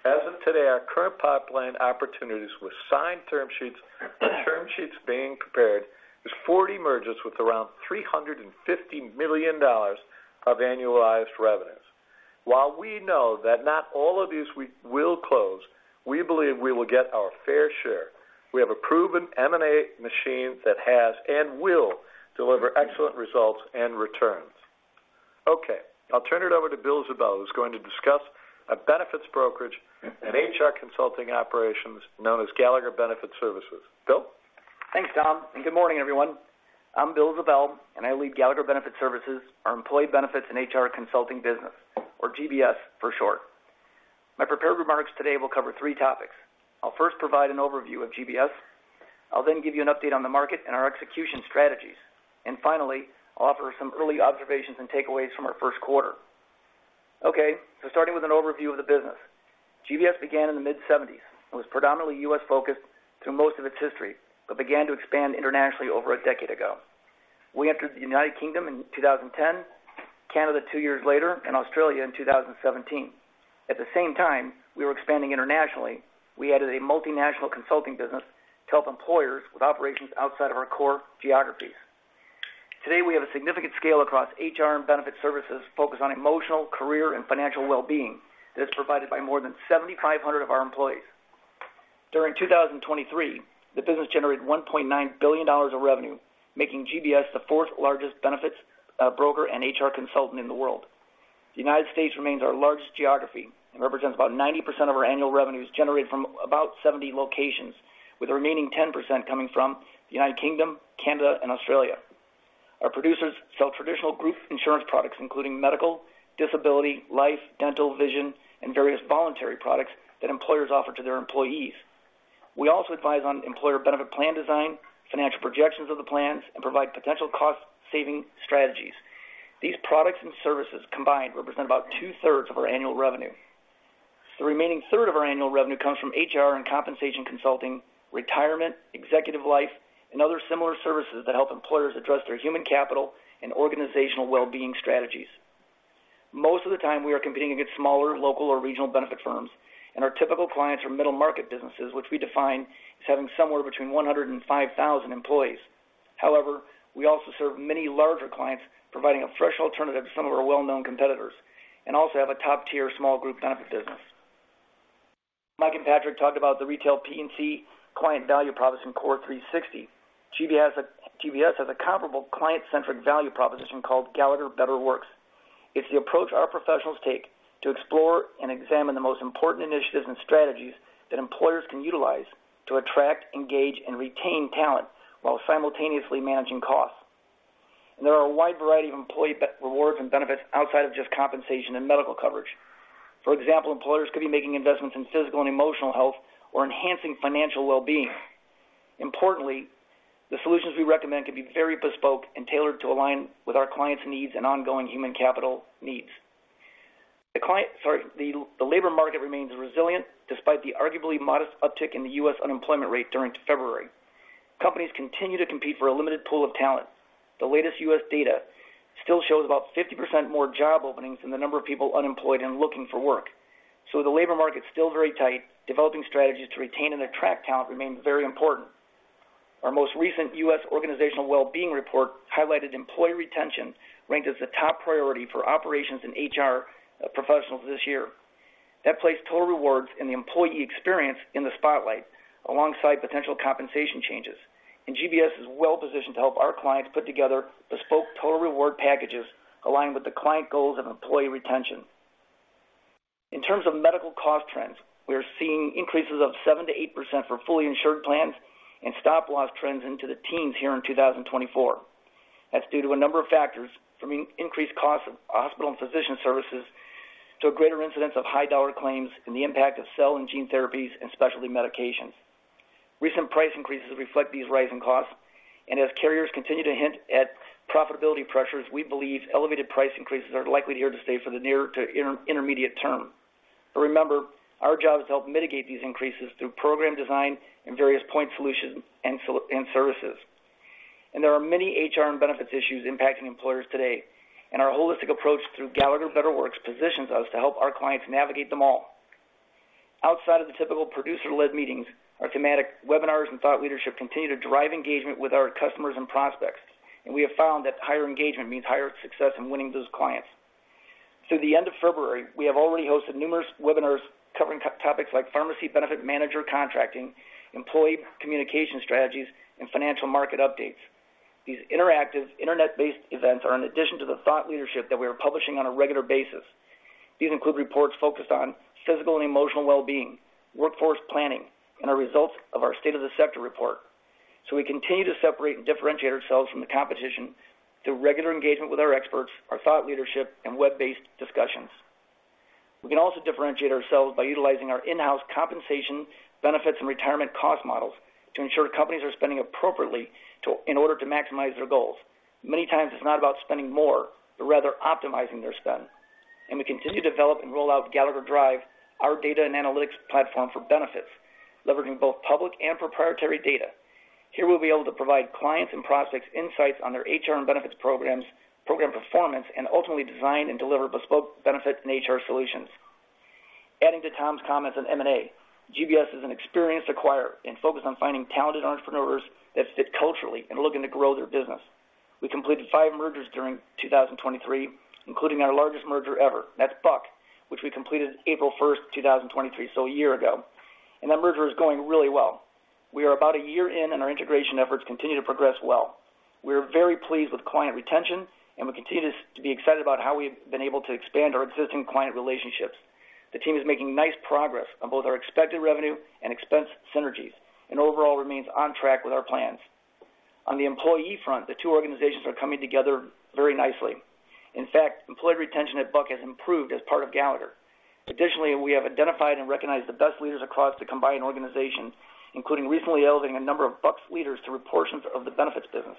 As of today, our current pipeline opportunities with signed term sheets and term sheets being prepared is 40 mergers with around $350 million of annualized revenues. While we know that not all of these will close, we believe we will get our fair share. We have a proven M&A machine that has and will deliver excellent results and returns. Okay. I'll turn it over to Bill Ziebell, who's going to discuss our benefits brokerage and HR consulting operations known as Gallagher Benefit Services. Bill? Thanks, Tom. And good morning, everyone. I'm Bill Ziebell, and I lead Gallagher Benefit Services, our Employee Benefits and HR Consulting business, or GBS for short. My prepared remarks today will cover three topics. I'll first provide an overview of GBS. I'll then give you an update on the market and our execution strategies. And finally, I'll offer some early observations and takeaways from our first quarter. Okay. So starting with an overview of the business, GBS began in the mid-'70s and was predominantly U.S.-focused through most of its history, but began to expand internationally over a decade ago. We entered the United Kingdom in 2010, Canada two years later, and Australia in 2017. At the same time, we were expanding internationally. We added a multinational consulting business to help employers with operations outside of our core geographies. Today, we have a significant scale across HR and benefit services focused on emotional, career, and financial well-being that is provided by more than 7,500 of our employees. During 2023, the business generated $1.9 billion of revenue, making GBS the fourth-largest benefits broker and HR consultant in the world. The United States remains our largest geography and represents about 90% of our annual revenues generated from about 70 locations, with the remaining 10% coming from the United Kingdom, Canada, and Australia. Our producers sell traditional group insurance products, including medical, disability, life, dental, vision, and various voluntary products that employers offer to their employees. We also advise on employer benefit plan design, financial projections of the plans, and provide potential cost-saving strategies. These products and services combined represent about two-thirds of our annual revenue. The remaining third of our annual revenue comes from HR and compensation consulting, retirement, executive life, and other similar services that help employers address their human capital and organizational well-being strategies. Most of the time, we are competing against smaller, local, or regional benefit firms, and our typical clients are middle-market businesses, which we define as having somewhere between 100 and 5,000 employees. However, we also serve many larger clients, providing a fresh alternative to some of our well-known competitors, and also have a top-tier small group benefit business. Mike and Patrick talked about the retail P&C client value proposition CORE360. GBS has a comparable client-centric value proposition called Gallagher Better Works. It's the approach our professionals take to explore and examine the most important initiatives and strategies that employers can utilize to attract, engage, and retain talent while simultaneously managing costs. There are a wide variety of employee rewards and benefits outside of just compensation and medical coverage. For example, employers could be making investments in physical and emotional health or enhancing financial well-being. Importantly, the solutions we recommend can be very bespoke and tailored to align with our clients' needs and ongoing human capital needs. The labor market remains resilient despite the arguably modest uptick in the U.S. unemployment rate during February. Companies continue to compete for a limited pool of talent. The latest U.S. data still shows about 50% more job openings than the number of people unemployed and looking for work. So with the labor market still very tight, developing strategies to retain and attract talent remains very important. Our most recent U.S. organizational well-being report highlighted employee retention ranked as the top priority for operations and HR professionals this year. That placed total rewards and the employee experience in the spotlight alongside potential compensation changes. GBS is well-positioned to help our clients put together bespoke total reward packages aligned with the client goals of employee retention. In terms of medical cost trends, we are seeing increases of 7%-8% for fully insured plans and stop-loss trends into the teens here in 2024. That's due to a number of factors, from increased costs of hospital and physician services to a greater incidence of high-dollar claims and the impact of cell and gene therapies and specialty medications. Recent price increases reflect these rising costs. As carriers continue to hint at profitability pressures, we believe elevated price increases are likely here to stay for the near to intermediate term. Remember, our job is to help mitigate these increases through program design and various point solutions and services. There are many HR and benefits issues impacting employers today. Our holistic approach through Gallagher Better Works positions us to help our clients navigate them all. Outside of the typical producer-led meetings, our thematic webinars and thought leadership continue to drive engagement with our customers and prospects. We have found that higher engagement means higher success in winning those clients. Through the end of February, we have already hosted numerous webinars covering topics like pharmacy benefit manager contracting, employee communication strategies, and financial market updates. These interactive, internet-based events are in addition to the thought leadership that we are publishing on a regular basis. These include reports focused on physical and emotional well-being, workforce planning, and the results of our State of the Sector report. We continue to separate and differentiate ourselves from the competition through regular engagement with our experts, our thought leadership, and web-based discussions. We can also differentiate ourselves by utilizing our in-house compensation, benefits, and retirement cost models to ensure companies are spending appropriately in order to maximize their goals. Many times, it's not about spending more, but rather optimizing their spend. We continue to develop and roll out Gallagher Drive, our data and analytics platform for benefits, leveraging both public and proprietary data. Here, we'll be able to provide clients and prospects insights on their HR and benefits programs, program performance, and ultimately design and deliver bespoke benefit and HR solutions. Adding to Tom's comments on M&A, GBS is an experienced acquirer and focused on finding talented entrepreneurs that fit culturally and looking to grow their business. We completed 5 mergers during 2023, including our largest merger ever. That's Buck, which we completed April 1st, 2023, so a year ago. That merger is going really well. We are about a year in, and our integration efforts continue to progress well. We are very pleased with client retention, and we continue to be excited about how we have been able to expand our existing client relationships. The team is making nice progress on both our expected revenue and expense synergies and overall remains on track with our plans. On the employee front, the two organizations are coming together very nicely. In fact, employee retention at Buck has improved as part of Gallagher. Additionally, we have identified and recognized the best leaders across the combined organization, including recently elevating a number of Buck's leaders to positions of the benefits business.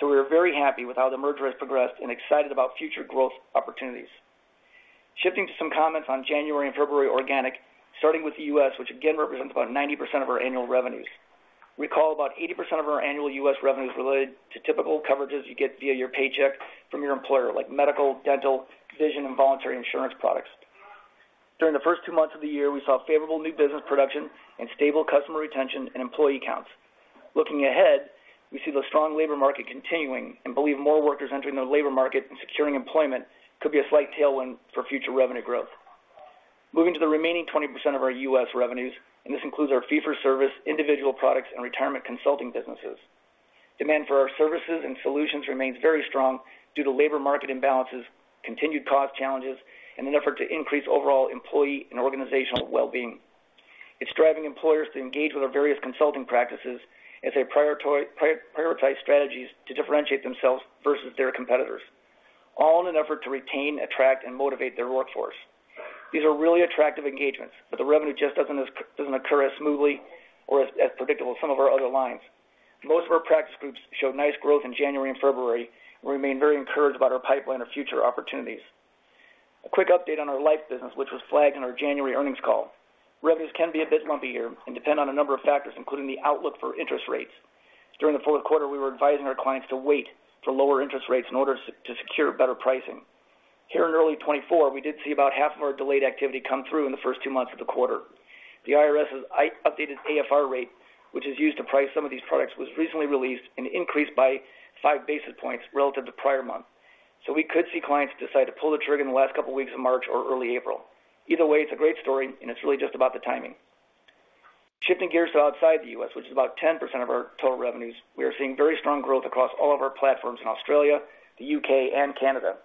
We are very happy with how the merger has progressed and excited about future growth opportunities. Shifting to some comments on January and February organic, starting with the U.S., which again represents about 90% of our annual revenues. Recall, about 80% of our annual U.S. revenue is related to typical coverages you get via your paycheck from your employer, like medical, dental, vision, and voluntary insurance products. During the first two months of the year, we saw favorable new business production and stable customer retention and employee counts. Looking ahead, we see the strong labor market continuing and believe more workers entering the labor market and securing employment could be a slight tailwind for future revenue growth. Moving to the remaining 20% of our U.S. revenues, and this includes our fee-for-service, individual products, and retirement consulting businesses, demand for our services and solutions remains very strong due to labor market imbalances, continued cost challenges, and an effort to increase overall employee and organizational well-being. It's driving employers to engage with our various consulting practices as they prioritize strategies to differentiate themselves versus their competitors, all in an effort to retain, attract, and motivate their workforce. These are really attractive engagements, but the revenue just doesn't occur as smoothly or as predictable as some of our other lines. Most of our practice groups showed nice growth in January and February and remain very encouraged about our pipeline of future opportunities. A quick update on our life business, which was flagged in our January earnings call. Revenues can be a bit lumpy here and depend on a number of factors, including the outlook for interest rates. During the fourth quarter, we were advising our clients to wait for lower interest rates in order to secure better pricing. Here in early 2024, we did see about half of our delayed activity come through in the first two months of the quarter. The IRS's updated AFR rate, which is used to price some of these products, was recently released and increased by 5 basis points relative to prior months. So we could see clients decide to pull the trigger in the last couple of weeks of March or early April. Either way, it's a great story, and it's really just about the timing. Shifting gears to outside the U.S., which is about 10% of our total revenues, we are seeing very strong growth across all of our platforms in Australia, the U.K., and Canada.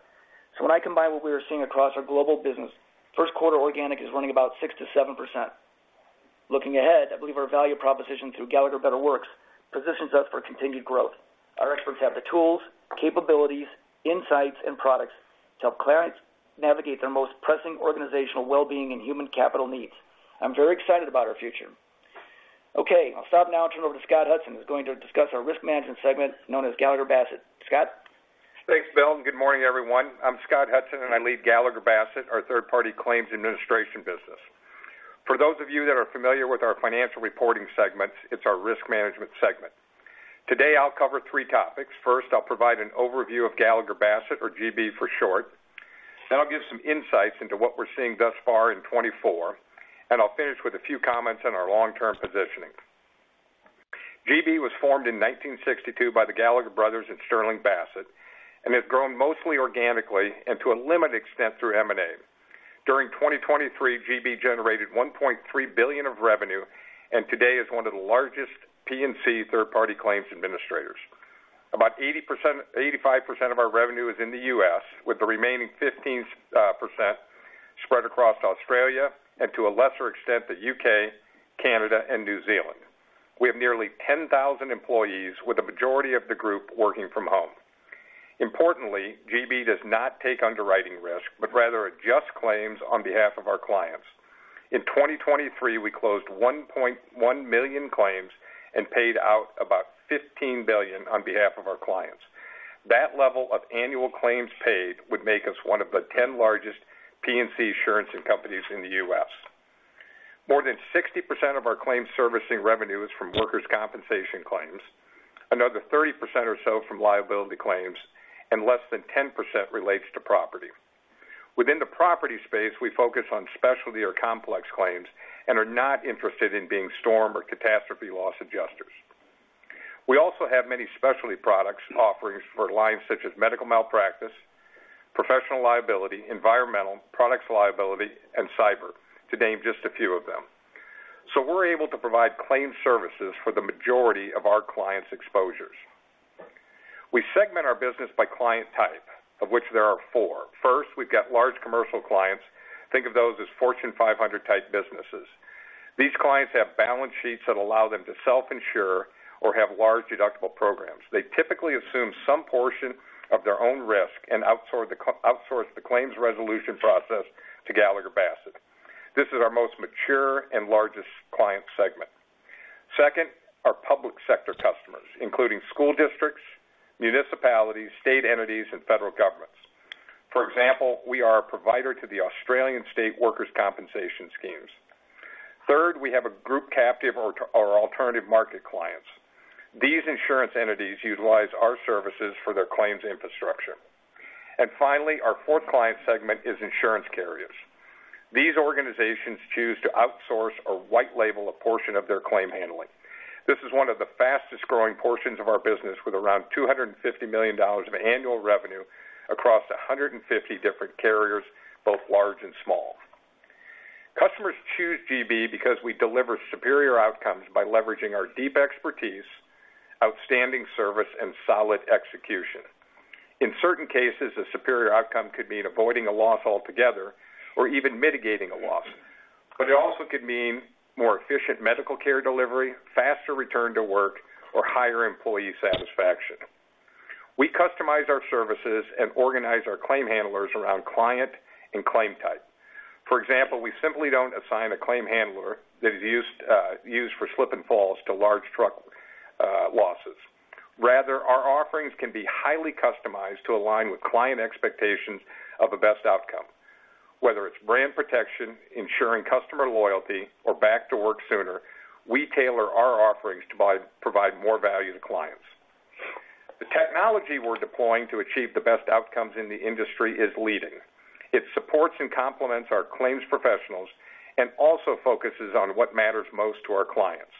So when I combine what we are seeing across our global business, first quarter organic is running about 6%-7%. Looking ahead, I believe our value proposition through Gallagher Better Works positions us for continued growth. Our experts have the tools, capabilities, insights, and products to help clients navigate their most pressing organizational well-being and human capital needs. I'm very excited about our future. Okay. I'll stop now and turn over to Scott Hudson, who's going to discuss our risk management segment known as Gallagher Bassett. Scott? Thanks, Bill. And good morning, everyone. I'm Scott Hudson, and I lead Gallagher Bassett, our third-party claims administration business. For those of you that are familiar with our financial reporting segments, it's our risk management segment. Today, I'll cover three topics. First, I'll provide an overview of Gallagher Bassett, or GB for short. Then I'll give some insights into what we're seeing thus far in 2024. And I'll finish with a few comments on our long-term positioning. GB was formed in 1962 by the Gallagher Brothers and Sterling Bassett, and has grown mostly organically and to a limited extent through M&A. During 2023, GB generated $1.3 billion of revenue, and today is one of the largest P&C third-party claims administrators. About 85% of our revenue is in the U.S., with the remaining 15% spread across Australia and to a lesser extent the U.K., Canada, and New Zealand. We have nearly 10,000 employees, with the majority of the group working from home. Importantly, GB does not take underwriting risk but rather adjusts claims on behalf of our clients. In 2023, we closed 1.1 million claims and paid out about $15 billion on behalf of our clients. That level of annual claims paid would make us one of the 10 largest P&C insurance companies in the U.S. More than 60% of our claims servicing revenue is from workers' compensation claims, another 30% or so from liability claims, and less than 10% relates to property. Within the property space, we focus on specialty or complex claims and are not interested in being storm or catastrophe loss adjusters. We also have many specialty products offerings for lines such as medical malpractice, professional liability, environmental, products liability, and cyber, to name just a few of them. So we're able to provide claims services for the majority of our clients' exposures. We segment our business by client type, of which there are four. First, we've got large commercial clients. Think of those as Fortune 500-type businesses. These clients have balance sheets that allow them to self-insure or have large deductible programs. They typically assume some portion of their own risk and outsource the claims resolution process to Gallagher Bassett. This is our most mature and largest client segment. Second, our public sector customers, including school districts, municipalities, state entities, and federal governments. For example, we are a provider to the Australian state workers' compensation schemes. Third, we have a group captive or alternative market clients. These insurance entities utilize our services for their claims infrastructure. And finally, our fourth client segment is insurance carriers. These organizations choose to outsource or white-label a portion of their claim handling. This is one of the fastest-growing portions of our business, with around $250 million of annual revenue across 150 different carriers, both large and small. Customers choose GB because we deliver superior outcomes by leveraging our deep expertise, outstanding service, and solid execution. In certain cases, a superior outcome could mean avoiding a loss altogether or even mitigating a loss. But it also could mean more efficient medical care delivery, faster return to work, or higher employee satisfaction. We customize our services and organize our claim handlers around client and claim type. For example, we simply don't assign a claim handler that is used for slip and falls to large truck losses. Rather, our offerings can be highly customized to align with client expectations of the best outcome. Whether it's brand protection, ensuring customer loyalty, or back to work sooner, we tailor our offerings to provide more value to clients. The technology we're deploying to achieve the best outcomes in the industry is leading. It supports and complements our claims professionals and also focuses on what matters most to our clients.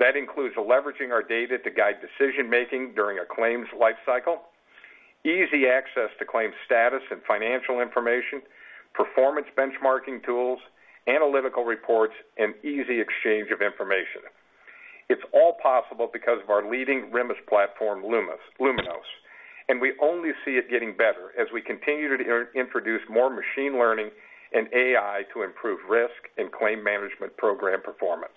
That includes leveraging our data to guide decision-making during a claims lifecycle, easy access to claim status and financial information, performance benchmarking tools, analytical reports, and easy exchange of information. It's all possible because of our leading RMIS platform, Luminos. We only see it getting better as we continue to introduce more machine learning and AI to improve risk and claim management program performance.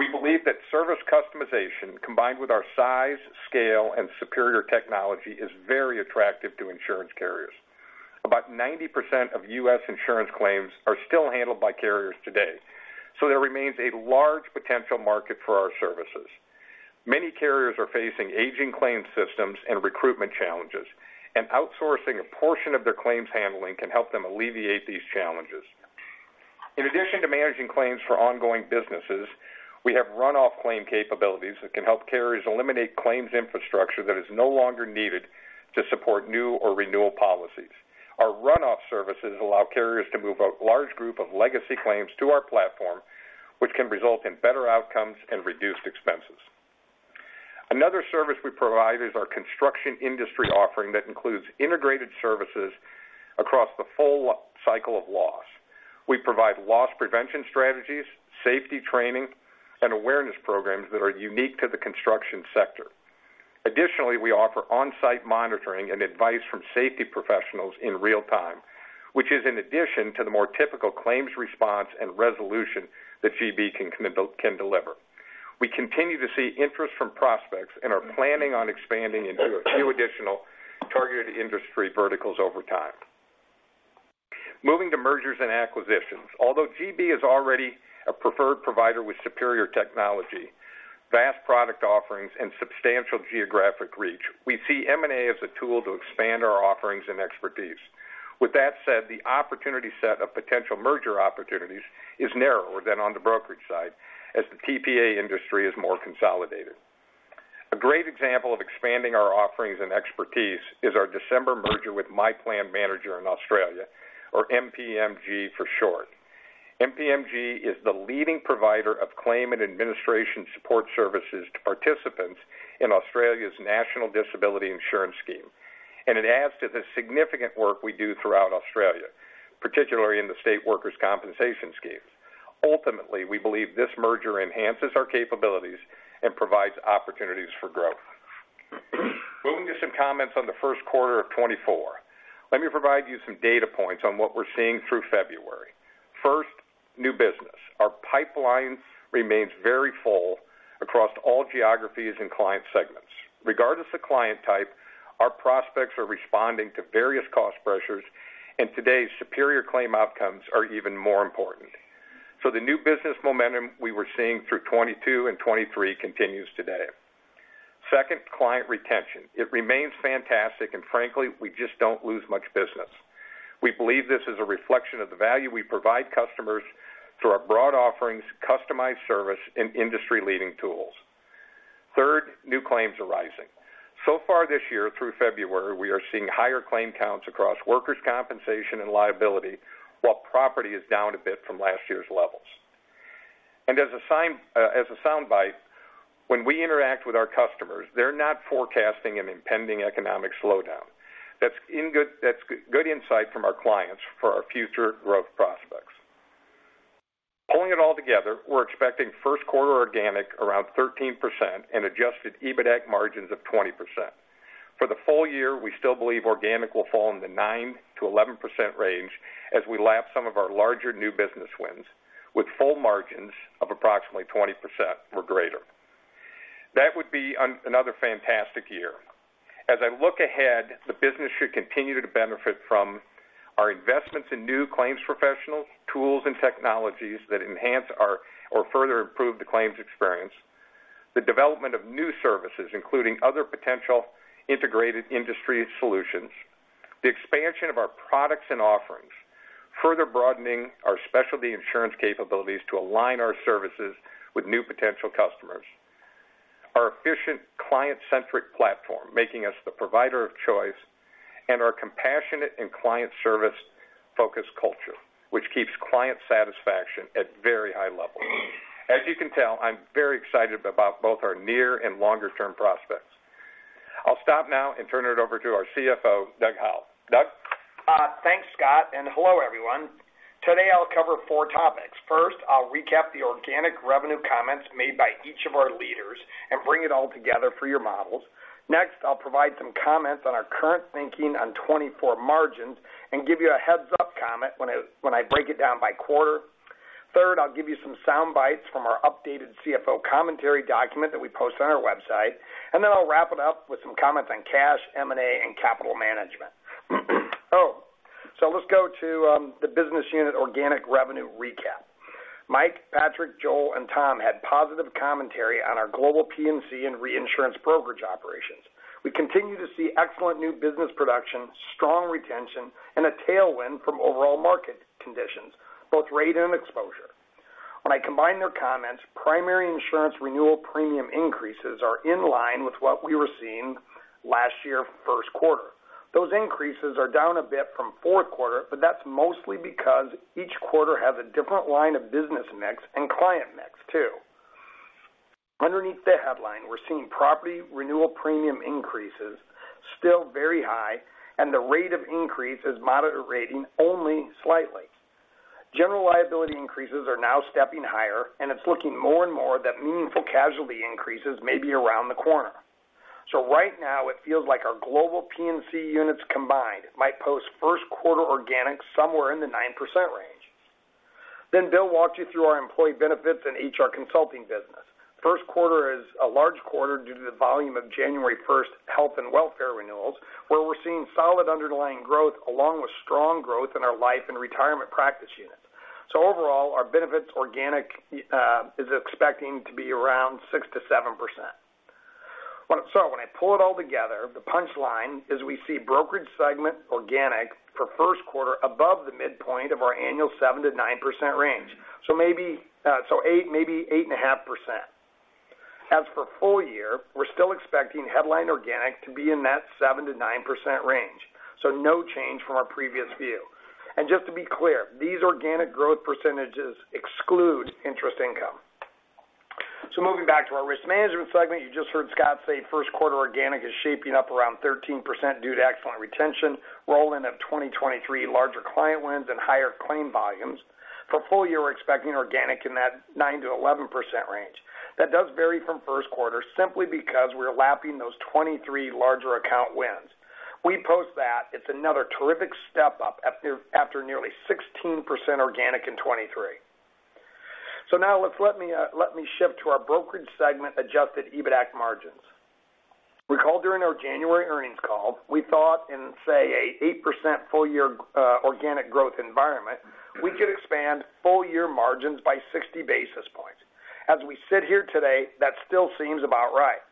We believe that service customization, combined with our size, scale, and superior technology, is very attractive to insurance carriers. About 90% of U.S. insurance claims are still handled by carriers today. There remains a large potential market for our services. Many carriers are facing aging claims systems and recruitment challenges. Outsourcing a portion of their claims handling can help them alleviate these challenges. In addition to managing claims for ongoing businesses, we have runoff claim capabilities that can help carriers eliminate claims infrastructure that is no longer needed to support new or renewal policies. Our runoff services allow carriers to move a large group of legacy claims to our platform, which can result in better outcomes and reduced expenses. Another service we provide is our construction industry offering that includes integrated services across the full cycle of loss. We provide loss prevention strategies, safety training, and awareness programs that are unique to the construction sector. Additionally, we offer on-site monitoring and advice from safety professionals in real time, which is in addition to the more typical claims response and resolution that GB can deliver. We continue to see interest from prospects and are planning on expanding into a few additional targeted industry verticals over time. Moving to mergers and acquisitions, although GB is already a preferred provider with superior technology, vast product offerings, and substantial geographic reach, we see M&A as a tool to expand our offerings and expertise. With that said, the opportunity set of potential merger opportunities is narrower than on the brokerage side as the TPA industry is more consolidated. A great example of expanding our offerings and expertise is our December merger with My Plan Manager in Australia, or MPMG for short. MPMG is the leading provider of claim and administration support services to participants in Australia's National Disability Insurance Scheme. It adds to the significant work we do throughout Australia, particularly in the state workers' compensation schemes. Ultimately, we believe this merger enhances our capabilities and provides opportunities for growth. Moving to some comments on the first quarter of 2024, let me provide you some data points on what we're seeing through February. First, new business. Our pipeline remains very full across all geographies and client segments. Regardless of client type, our prospects are responding to various cost pressures, and today's superior claim outcomes are even more important. So the new business momentum we were seeing through 2022 and 2023 continues today. Second, client retention. It remains fantastic, and frankly, we just don't lose much business. We believe this is a reflection of the value we provide customers through our broad offerings, customized service, and industry-leading tools. Third, new claims are rising. So far this year, through February, we are seeing higher claim counts across workers' compensation and liability, while property is down a bit from last year's levels. As a soundbite, when we interact with our customers, they're not forecasting an impending economic slowdown. That's good insight from our clients for our future growth prospects. Pulling it all together, we're expecting first quarter organic around 13% and Adjusted EBITDA margins of 20%. For the full year, we still believe organic will fall in the 9%-11% range as we lap some of our larger new business wins, with full margins of approximately 20% or greater. That would be another fantastic year. As I look ahead, the business should continue to benefit from our investments in new claims professionals, tools, and technologies that enhance or further improve the claims experience, the development of new services including other potential integrated industry solutions, the expansion of our products and offerings, further broadening our specialty insurance capabilities to align our services with new potential customers, our efficient client-centric platform making us the provider of choice, and our compassionate and client service focused culture, which keeps client satisfaction at very high levels. As you can tell, I'm very excited about both our near and longer-term prospects. I'll stop now and turn it over to our CFO, Doug Howell. Doug? Thanks, Scott. Hello, everyone. Today, I'll cover four topics. First, I'll recap the organic revenue comments made by each of our leaders and bring it all together for your models. Next, I'll provide some comments on our current thinking on 2024 margins and give you a heads-up comment when I break it down by quarter. Third, I'll give you some soundbites from our updated CFO commentary document that we post on our website. Then I'll wrap it up with some comments on cash, M&A, and capital management. Oh, so let's go to the business unit organic revenue recap. Mike, Patrick, Joel, and Tom had positive commentary on our global P&C and reinsurance brokerage operations. We continue to see excellent new business production, strong retention, and a tailwind from overall market conditions, both rate and exposure. When I combine their comments, primary insurance renewal premium increases are in line with what we were seeing last year first quarter. Those increases are down a bit from fourth quarter, but that's mostly because each quarter has a different line of business mix and client mix too. Underneath the headline, we're seeing property renewal premium increases, still very high, and the rate of increase is moderating only slightly. General liability increases are now stepping higher, and it's looking more and more that meaningful casualty increases may be around the corner. So right now, it feels like our global P&C units combined might post first quarter organic somewhere in the 9% range. Then Bill walked you through our Employee Benefits and HR consulting business. First quarter is a large quarter due to the volume of January 1st health and welfare renewals, where we're seeing solid underlying growth along with strong growth in our life and retirement practice units. So overall, our benefits organic is expecting to be around 6%-7%. So when I pull it all together, the punchline is we see brokerage segment organic for first quarter above the midpoint of our annual 7%-9% range. So maybe 8%, maybe 8.5%. As for full year, we're still expecting headline organic to be in that 7%-9% range. So no change from our previous view. And just to be clear, these organic growth percentages exclude interest income. So moving back to our risk management segment, you just heard Scott say first quarter organic is shaping up around 13% due to excellent retention, roll-in of 2023 larger client wins, and higher claim volumes. For full year, we're expecting organic in that 9%-11% range. That does vary from first quarter simply because we're lapping those 2023 larger account wins. We post that. It's another terrific step up after nearly 16% organic in 2023. So now let me shift to our brokerage segment Adjusted EBITDA margins. Recall during our January earnings call, we thought in, say, an 8% full year organic growth environment, we could expand full year margins by 60 basis points. As we sit here today, that still seems about right.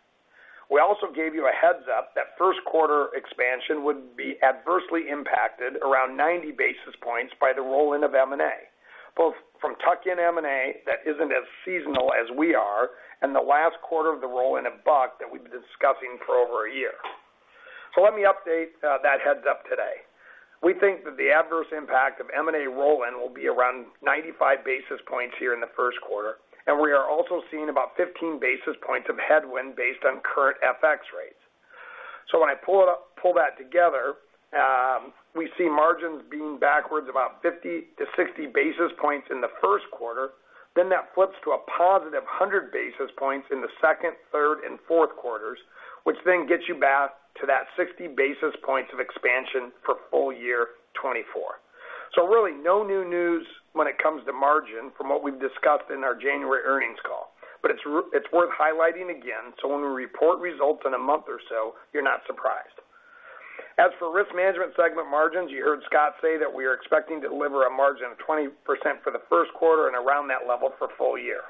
We also gave you a heads-up that first quarter expansion would be adversely impacted around 90 basis points by the roll-in of M&A, both from tuck-in M&A that isn't as seasonal as we are and the last quarter of the roll-in of Buck that we've been discussing for over a year. So let me update that heads-up today. We think that the adverse impact of M&A roll-in will be around 95 basis points here in the first quarter. And we are also seeing about 15 basis points of headwind based on current FX rates. So when I pull that together, we see margins being backwards about 50-60 basis points in the first quarter. Then that flips to a positive 100 basis points in the second, third, and fourth quarters, which then gets you back to that 60 basis points of expansion for full year 2024. So really, no new news when it comes to margin from what we've discussed in our January earnings call. But it's worth highlighting again, so when we report results in a month or so, you're not surprised. As for risk management segment margins, you heard Scott say that we are expecting to deliver a margin of 20% for the first quarter and around that level for full year.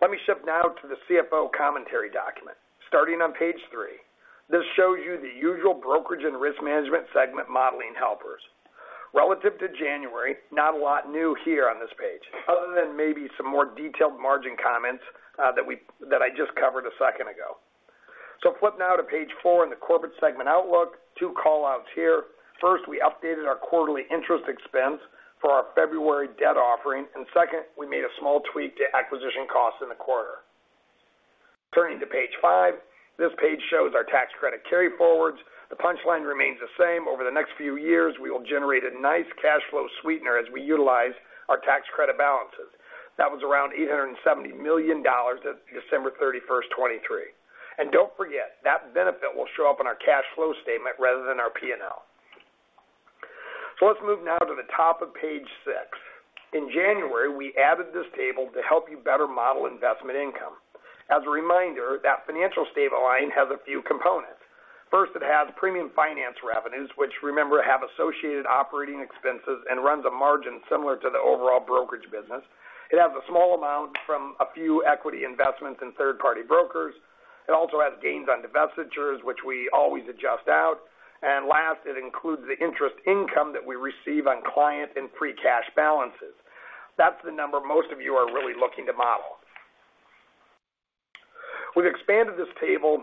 Let me shift now to the CFO commentary document, starting on page three. This shows you the usual brokerage and risk management segment modeling helpers. Relative to January, not a lot new here on this page other than maybe some more detailed margin comments that I just covered a second ago. So flip now to page four in the corporate segment outlook, two callouts here. First, we updated our quarterly interest expense for our February debt offering. And second, we made a small tweak to acquisition costs in the quarter. Turning to page 5, this page shows our tax credit carryforwards. The punchline remains the same. Over the next few years, we will generate a nice cash flow sweetener as we utilize our tax credit balances. That was around $870 million at December 31st, 2023. And don't forget, that benefit will show up in our cash flow statement rather than our P&L. So let's move now to the top of page 6. In January, we added this table to help you better model investment income. As a reminder, that financial statement line has a few components. First, it has premium finance revenues, which remember have associated operating expenses and runs a margin similar to the overall brokerage business. It has a small amount from a few equity investments in third-party brokers. It also has gains on divestitures, which we always adjust out. And last, it includes the interest income that we receive on client and free cash balances. That's the number most of you are really looking to model. We've expanded this table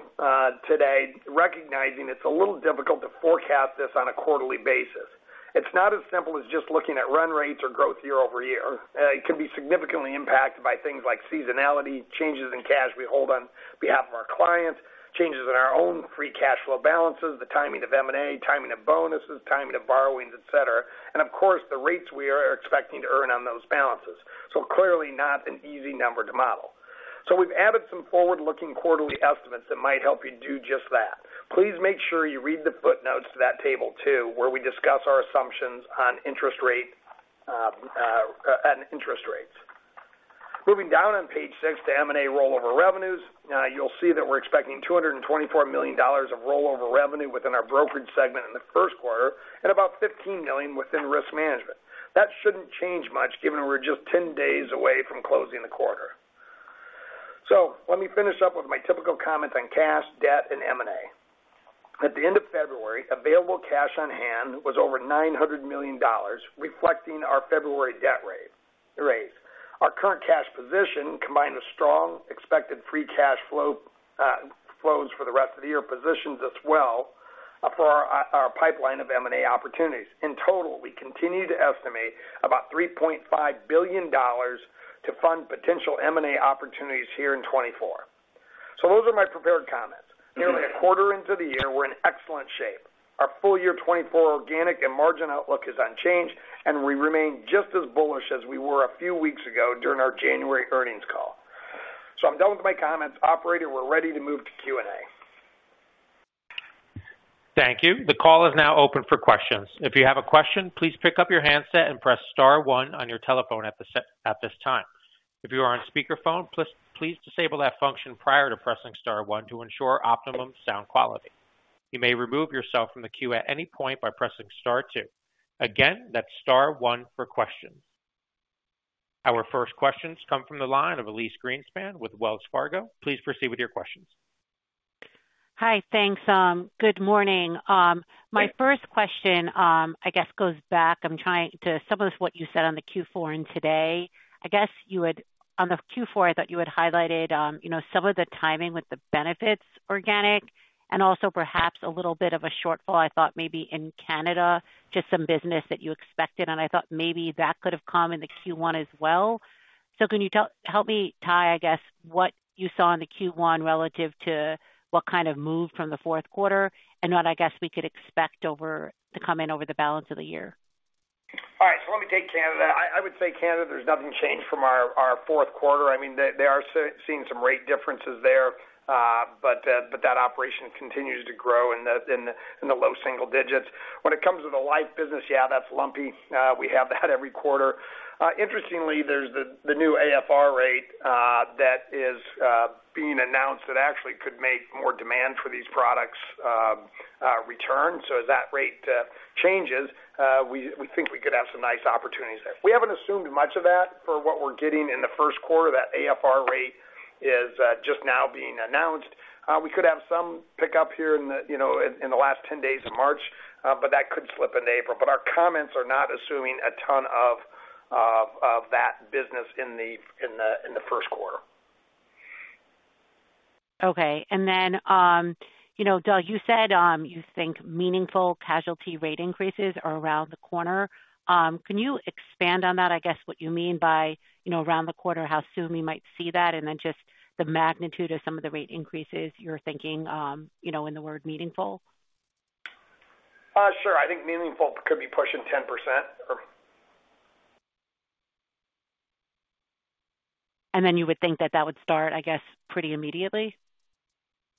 today, recognizing it's a little difficult to forecast this on a quarterly basis. It's not as simple as just looking at run rates or growth year-over-year. It can be significantly impacted by things like seasonality, changes in cash we hold on behalf of our clients, changes in our own free cash flow balances, the timing of M&A, timing of bonuses, timing of borrowings, etc., and of course, the rates we are expecting to earn on those balances. So clearly, not an easy number to model. So we've added some forward-looking quarterly estimates that might help you do just that. Please make sure you read the footnotes to that table too, where we discuss our assumptions on interest rates and interest rates. Moving down on page 6 to M&A rollover revenues, you'll see that we're expecting $224 million of rollover revenue within our brokerage segment in the first quarter and about $15 million within risk management. That shouldn't change much given we're just 10 days away from closing the quarter. So let me finish up with my typical comments on cash, debt, and M&A. At the end of February, available cash on hand was over $900 million, reflecting our February debt rate. Our current cash position, combined with strong expected free cash flows for the rest of the year, positions us well for our pipeline of M&A opportunities. In total, we continue to estimate about $3.5 billion to fund potential M&A opportunities here in 2024. Those are my prepared comments. Nearly a quarter into the year, we're in excellent shape. Our full year 2024 organic and margin outlook is unchanged, and we remain just as bullish as we were a few weeks ago during our January earnings call. I'm done with my comments. Operator, we're ready to move to Q&A. Thank you. The call is now open for questions. If you have a question, please pick up your handset and press star one on your telephone at this time. If you are on speakerphone, please disable that function prior to pressing star one to ensure optimum sound quality. You may remove yourself from the queue at any point by pressing star two. Again, that's star one for questions. Our first questions come from the line of Elyse Greenspan with Wells Fargo. Please proceed with your questions. Hi. Thanks. Good morning. My first question, I guess, goes back. I'm trying to tie some of what you said on the Q4 and today. I guess you had on the Q4; I thought you had highlighted some of the timing with the benefits organic and also perhaps a little bit of a shortfall, I thought, maybe in Canada, just some business that you expected. And I thought maybe that could have come in the Q1 as well. So can you help me tie, I guess, what you saw in the Q1 relative to what kind of move from the fourth quarter and what, I guess, we could expect to come in over the balance of the year? All right. So let me take Canada. I would say Canada, there's nothing changed from our fourth quarter. I mean, they are seeing some rate differences there, but that operation continues to grow in the low single digits. When it comes to the life business, yeah, that's lumpy. We have that every quarter. Interestingly, there's the new AFR Rate that is being announced that actually could make more demand for these products return. So as that rate changes, we think we could have some nice opportunities there. We haven't assumed much of that for what we're getting in the first quarter, that AFR Rate is just now being announced. We could have some pickup here in the last 10 days of March, but that could slip into April. But our comments are not assuming a ton of that business in the first quarter. Okay. And then, Doug, you said you think meaningful casualty rate increases are around the corner. Can you expand on that, I guess, what you mean by around the corner, how soon we might see that, and then just the magnitude of some of the rate increases you're thinking in the word meaningful? Sure. I think meaningful could be pushing 10% or. You would think that that would start, I guess, pretty immediately?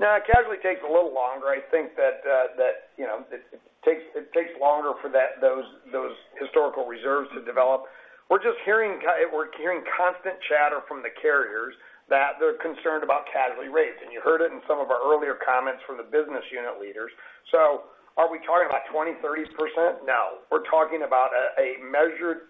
No, it actually takes a little longer. I think that it takes longer for those historical reserves to develop. We're just hearing constant chatter from the carriers that they're concerned about casualty rates. And you heard it in some of our earlier comments from the business unit leaders. So are we talking about 20%-30%? No. We're talking about a measured,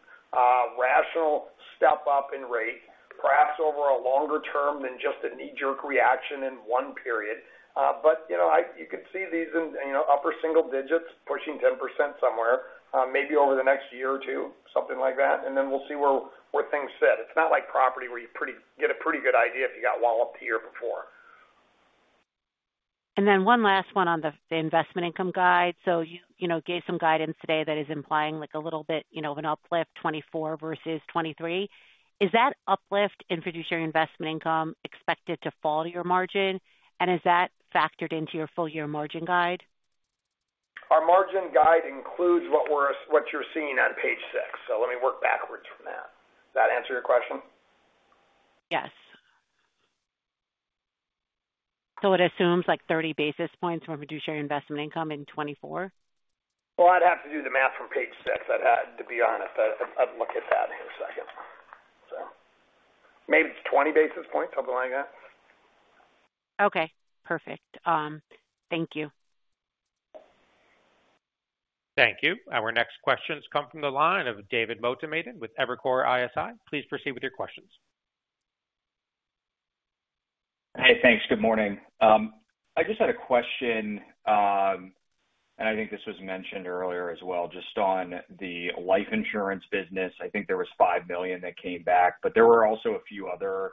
rational step up in rate, perhaps over a longer term than just a knee-jerk reaction in one period. But you could see these in upper single digits pushing 10% somewhere, maybe over the next year or two, something like that. And then we'll see where things sit. It's not like property where you get a pretty good idea if you got walloped the year before. And then one last one on the investment income guide. So you gave some guidance today that is implying a little bit of an uplift, 2024 versus 2023. Is that uplift in fiduciary investment income expected to fall to your margin? And is that factored into your full year margin guide? Our margin guide includes what you're seeing on page six. So let me work backwards from that. Does that answer your question? Yes. So it assumes 30 basis points from fiduciary investment income in 2024? Well, I'd have to do the math from page six, to be honest. I'd look at that in a second. So maybe it's 20 basis points, something like that. Okay. Perfect. Thank you. Thank you. Our next questions come from the line of David Motemaden with Evercore ISI. Please proceed with your questions. Hey. Thanks. Good morning. I just had a question, and I think this was mentioned earlier as well, just on the life insurance business. I think there was $5 million that came back, but there were also a few other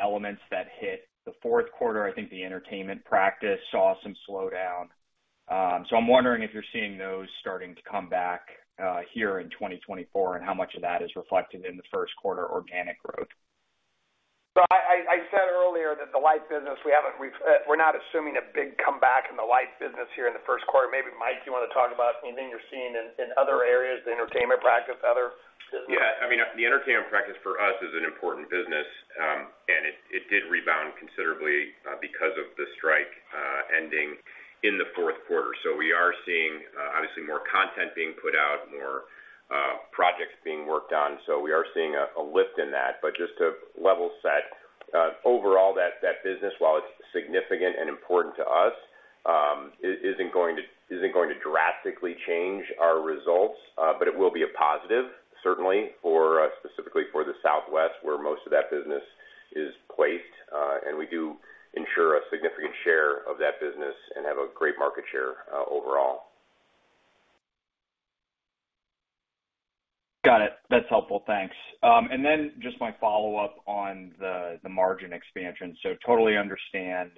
elements that hit the fourth quarter. I think the entertainment practice saw some slowdown. So I'm wondering if you're seeing those starting to come back here in 2024 and how much of that is reflected in the first quarter organic growth. So I said earlier that the life business, we're not assuming a big comeback in the life business here in the first quarter. Maybe, Mike, you want to talk about anything you're seeing in other areas, the entertainment practice, other businesses? Yeah. I mean, the entertainment practice for us is an important business, and it did rebound considerably because of the strike ending in the fourth quarter. So we are seeing, obviously, more content being put out, more projects being worked on. So we are seeing a lift in that. But just to level set, overall, that business, while it's significant and important to us, isn't going to drastically change our results, but it will be a positive, certainly, specifically for the Southwest where most of that business is placed. And we do insure a significant share of that business and have a great market share overall. Got it. That's helpful. Thanks. And then just my follow-up on the margin expansion. So totally understand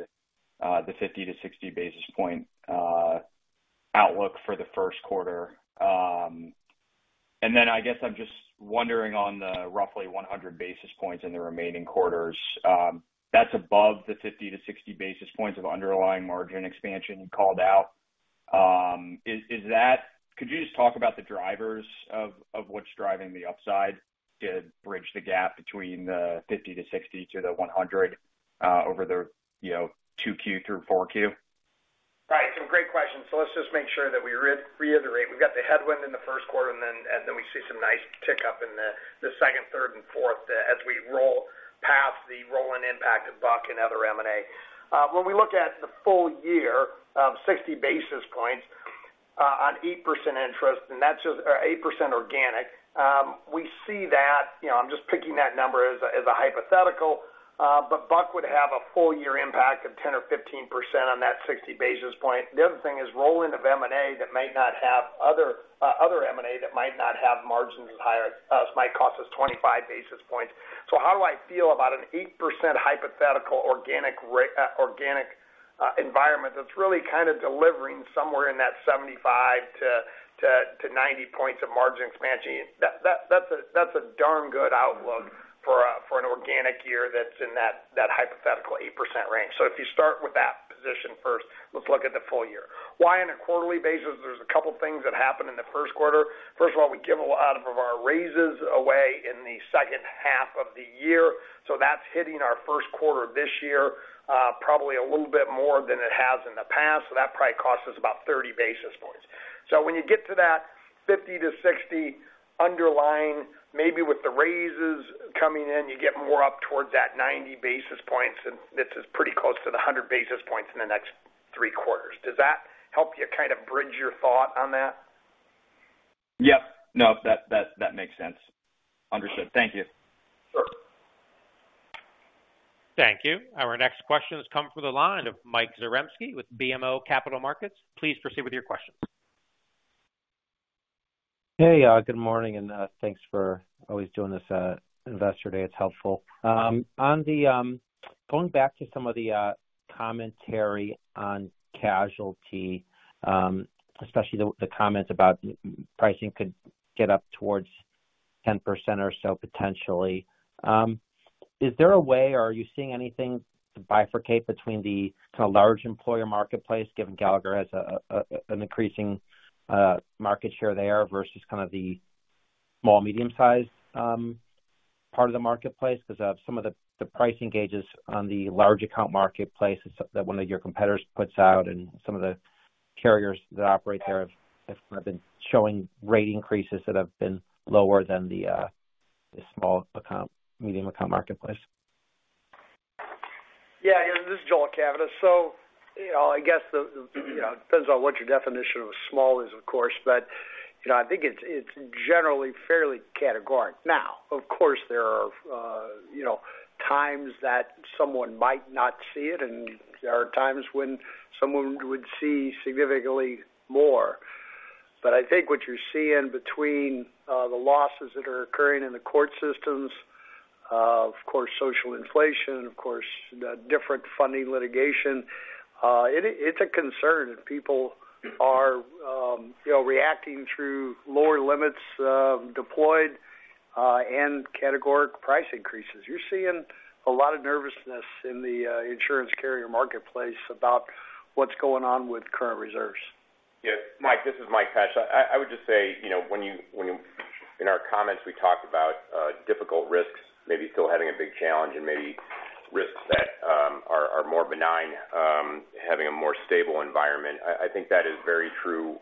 the 50-60 basis points outlook for the first quarter. And then I guess I'm just wondering on the roughly 100 basis points in the remaining quarters. That's above the 50-60 basis points of underlying margin expansion you called out. Could you just talk about the drivers of what's driving the upside to bridge the gap between the 50-60 to the 100 over the 2Q through 4Q? Right. So great question. So let's just make sure that we reiterate. We've got the headwind in the first quarter, and then we see some nice tickup in the second, third, and fourth as we roll past the rolling impact of Buck and other M&A. When we look at the full year of 60 basis points on 8% interest, and that's just 8% organic, we see that I'm just picking that number as a hypothetical, but Buck would have a full year impact of 10% or 15% on that 60 basis point. The other thing is rolling of M&A that might not have other M&A that might not have margins as high as us might cost us 25 basis points. So how do I feel about an 8% hypothetical organic environment that's really kind of delivering somewhere in that 75-90 points of margin expansion? That's a darn good outlook for an organic year that's in that hypothetical 8% range. So if you start with that position first, let's look at the full year. Why on a quarterly basis? There's a couple of things that happen in the first quarter. First of all, we give a lot of our raises away in the second half of the year. So that's hitting our first quarter this year probably a little bit more than it has in the past. So that probably costs us about 30 basis points. So when you get to that 50-60 underlying, maybe with the raises coming in, you get more up towards that 90 basis points. This is pretty close to the 100 basis points in the next three quarters. Does that help you kind of bridge your thought on that? Yep. No, that makes sense. Understood. Thank you. Sure. Thank you. Our next question has come from the line of Mike Zaremski with BMO Capital Markets. Please proceed with your questions. Hey. Good morning. Thanks for always doing this investor day. It's helpful. Going back to some of the commentary on casualty, especially the comments about pricing could get up towards 10% or so potentially, is there a way or are you seeing anything bifurcate between the kind of large employer marketplace, given Gallagher has an increasing market share there versus kind of the small, medium-sized part of the marketplace? Because some of the pricing gauges on the large account marketplace that one of your competitors puts out and some of the carriers that operate there have kind of been showing rate increases that have been lower than the small, medium account marketplace. Yeah. This is Joel Cavaness. So I guess it depends on what your definition of small is, of course, but I think it's generally fairly categorical. Now, of course, there are times that someone might not see it, and there are times when someone would see significantly more. But I think what you're seeing between the losses that are occurring in the court systems, of course, social inflation, of course, third-party litigation funding, it's a concern if people are reacting through lower limits deployed and categorical price increases. You're seeing a lot of nervousness in the insurance carrier marketplace about what's going on with current reserves. Yeah. Mike, this is Mike Pesch. I would just say when you in our comments, we talked about difficult risks, maybe still having a big challenge, and maybe risks that are more benign, having a more stable environment. I think that is very true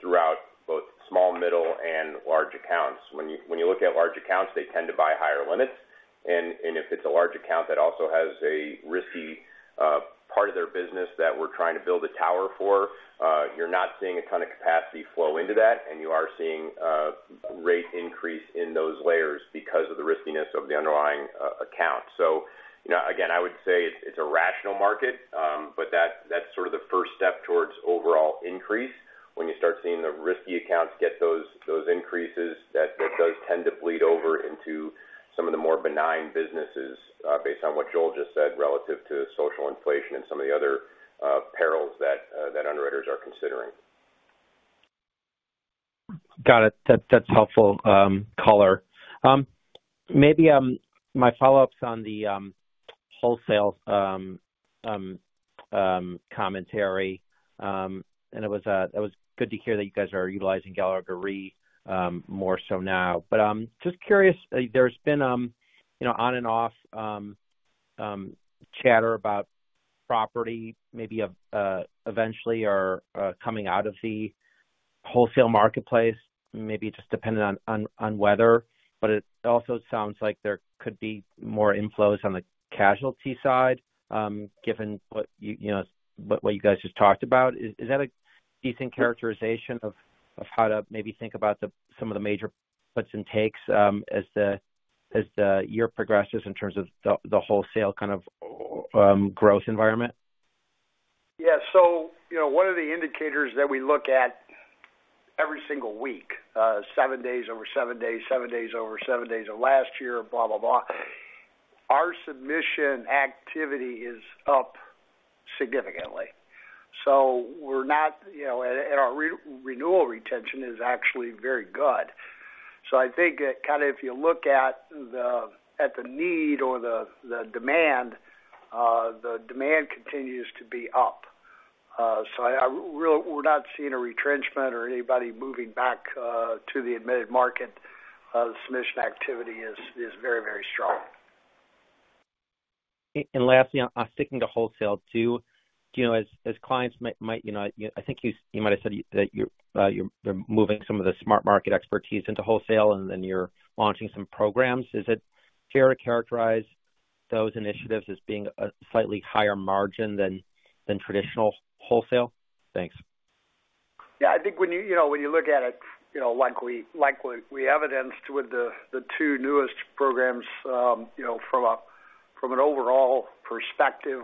throughout both small, middle, and large accounts. When you look at large accounts, they tend to buy higher limits. And if it's a large account that also has a risky part of their business that we're trying to build a tower for, you're not seeing a ton of capacity flow into that, and you are seeing a rate increase in those layers because of the riskiness of the underlying account. So again, I would say it's a rational market, but that's sort of the first step towards overall increase. When you start seeing the risky accounts get those increases, that does tend to bleed over into some of the more benign businesses based on what Joel just said relative to social inflation and some of the other perils that underwriters are considering. Got it. That's helpful, Caller. Maybe my follow-ups on the wholesale commentary, and it was good to hear that you guys are utilizing Gallagher Re more so now. But just curious, there's been on-and-off chatter about property maybe eventually coming out of the wholesale marketplace, maybe just depending on weather. But it also sounds like there could be more inflows on the casualty side given what you guys just talked about. Is that a decent characterization of how to maybe think about some of the major puts and takes as the year progresses in terms of the wholesale kind of growth environment? Yeah. So one of the indicators that we look at every single week, seven days over seven days, seven days over seven days of last year, blah, blah, blah, our submission activity is up significantly. So we're not, and our renewal retention is actually very good. So I think kind of if you look at the need or the demand, the demand continues to be up. So we're not seeing a retrenchment or anybody moving back to the admitted market. The submission activity is very, very strong. And lastly, sticking to wholesale, do you know as clients might I think you might have said that you're moving some of the SmartMarket expertise into wholesale, and then you're launching some programs. Is it fair to characterize those initiatives as being a slightly higher margin than traditional wholesale? Thanks. Yeah. I think when you look at it, like we evidenced with the two newest programs, from an overall perspective,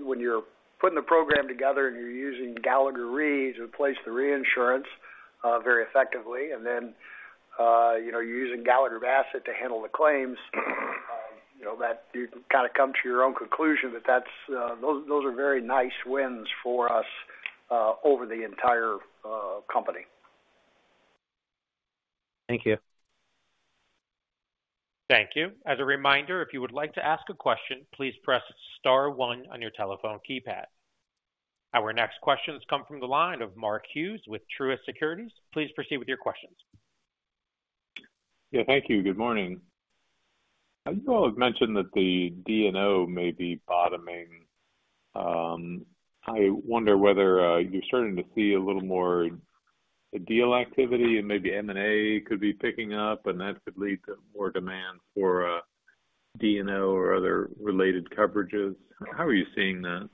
when you're putting the program together and you're using Gallagher Re to replace the reinsurance very effectively, and then you're using Gallagher Bassett to handle the claims, that you kind of come to your own conclusion that those are very nice wins for us over the entire company. Thank you. Thank you. As a reminder, if you would like to ask a question, please press star one on your telephone keypad. Our next questions come from the line of Mark Hughes with Truist Securities. Please proceed with your questions. Yeah. Thank you. Good morning. You all have mentioned that the D&O may be bottoming. I wonder whether you're starting to see a little more deal activity and maybe M&A could be picking up, and that could lead to more demand for D&O or other related coverages. How are you seeing that?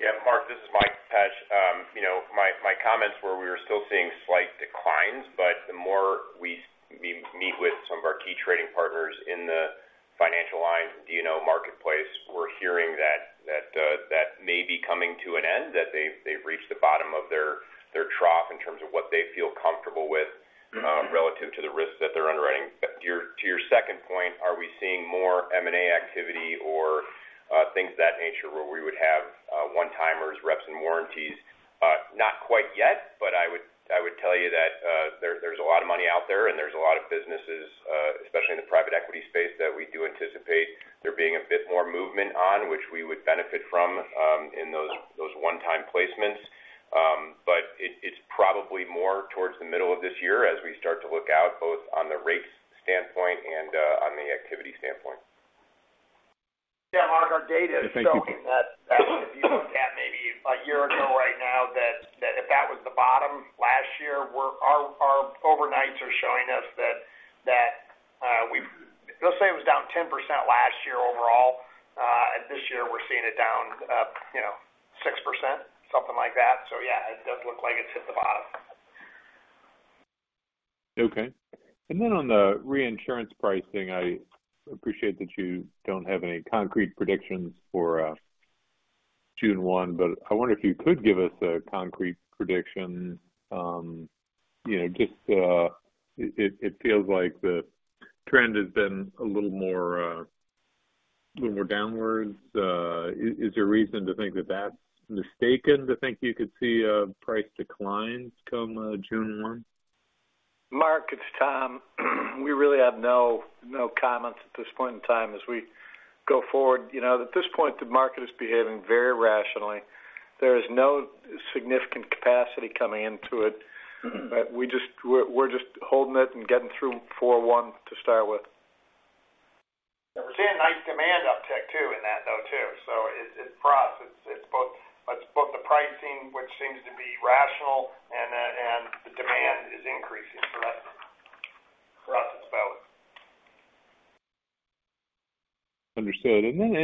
Yeah. Mark, this is Mike Pesch. My comments were we were still seeing slight declines, but the more we meet with some of our key trading partners in the financial lines, D&O marketplace, we're hearing that may be coming to an end, that they've reached the bottom of their trough in terms of what they feel comfortable with relative to the risks that they're underwriting. To your second point, are we seeing more M&A activity or things of that nature where we would have one-timers, reps and warranties? Not quite yet, but I would tell you that there's a lot of money out there, and there's a lot of businesses, especially in the private equity space, that we do anticipate there being a bit more movement on, which we would benefit from in those one-time placements. It's probably more towards the middle of this year as we start to look out both on the rate standpoint and on the activity standpoint. Yeah. Mark, our data is showing that if you look at maybe a year ago right now, that if that was the bottom last year, our overnights are showing us that we've, let's say, it was down 10% last year overall. This year, we're seeing it down 6%, something like that. So yeah, it does look like it's hit the bottom. Okay. Then on the reinsurance pricing, I appreciate that you don't have any concrete predictions for June 1, but I wonder if you could give us a concrete prediction. Just it feels like the trend has been a little more downwards. Is there a reason to think that that's mistaken, to think you could see price declines come June 1? Mark, it's Tom. We really have no comments at this point in time. As we go forward, at this point, the market is behaving very rationally. There is no significant capacity coming into it, but we're just holding it and getting through 4/1 to start with. We're seeing nice demand uptick too in that, though, too. So for us, it's both the pricing, which seems to be rational, and the demand is increasing. So for us, it's valid. Understood. And then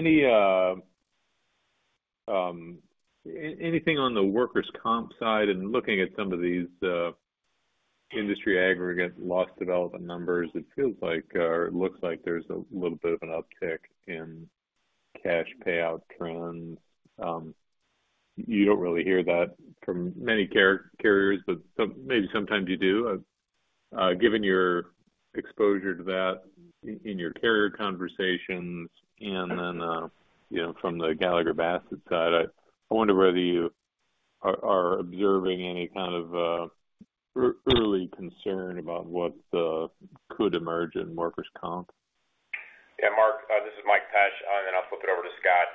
anything on the workers' comp side and looking at some of these industry aggregate loss development numbers, it feels like or it looks like there's a little bit of an uptick in cash payout trends. You don't really hear that from many carriers, but maybe sometimes you do. Given your exposure to that in your carrier conversations and then from the Gallagher Bassett side, I wonder whether you are observing any kind of early concern about what could emerge in workers' comp. Yeah. Mark, this is Mike Pesch, and then I'll flip it over to Scott.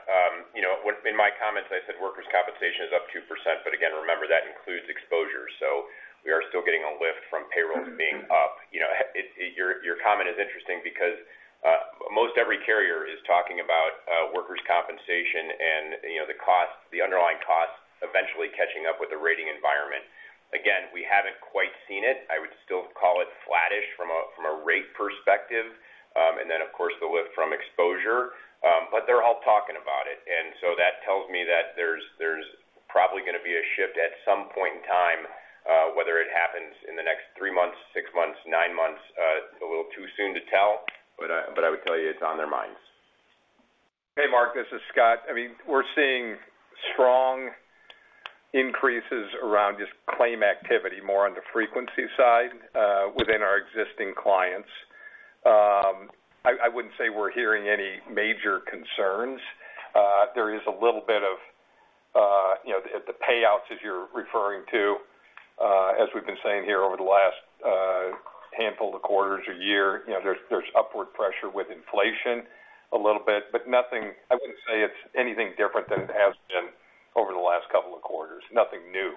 In my comments, I said Workers' Compensation is up 2%, but again, remember that includes exposure. So we are still getting a lift from payrolls being up. Your comment is interesting because most every carrier is talking about Workers' Compensation and the underlying costs eventually catching up with the rating environment. Again, we haven't quite seen it. I would still call it flat-ish from a rate perspective and then, of course, the lift from exposure. But they're all talking about it. And so that tells me that there's probably going to be a shift at some point in time, whether it happens in the next three months, six months, nine months. A little too soon to tell, but I would tell you it's on their minds. Hey, Mark. This is Scott. I mean, we're seeing strong increases around just claim activity, more on the frequency side within our existing clients. I wouldn't say we're hearing any major concerns. There is a little bit of the payouts, as you're referring to, as we've been saying here over the last handful of quarters or year, there's upward pressure with inflation a little bit, but nothing. I wouldn't say it's anything different than it has been over the last couple of quarters. Nothing new.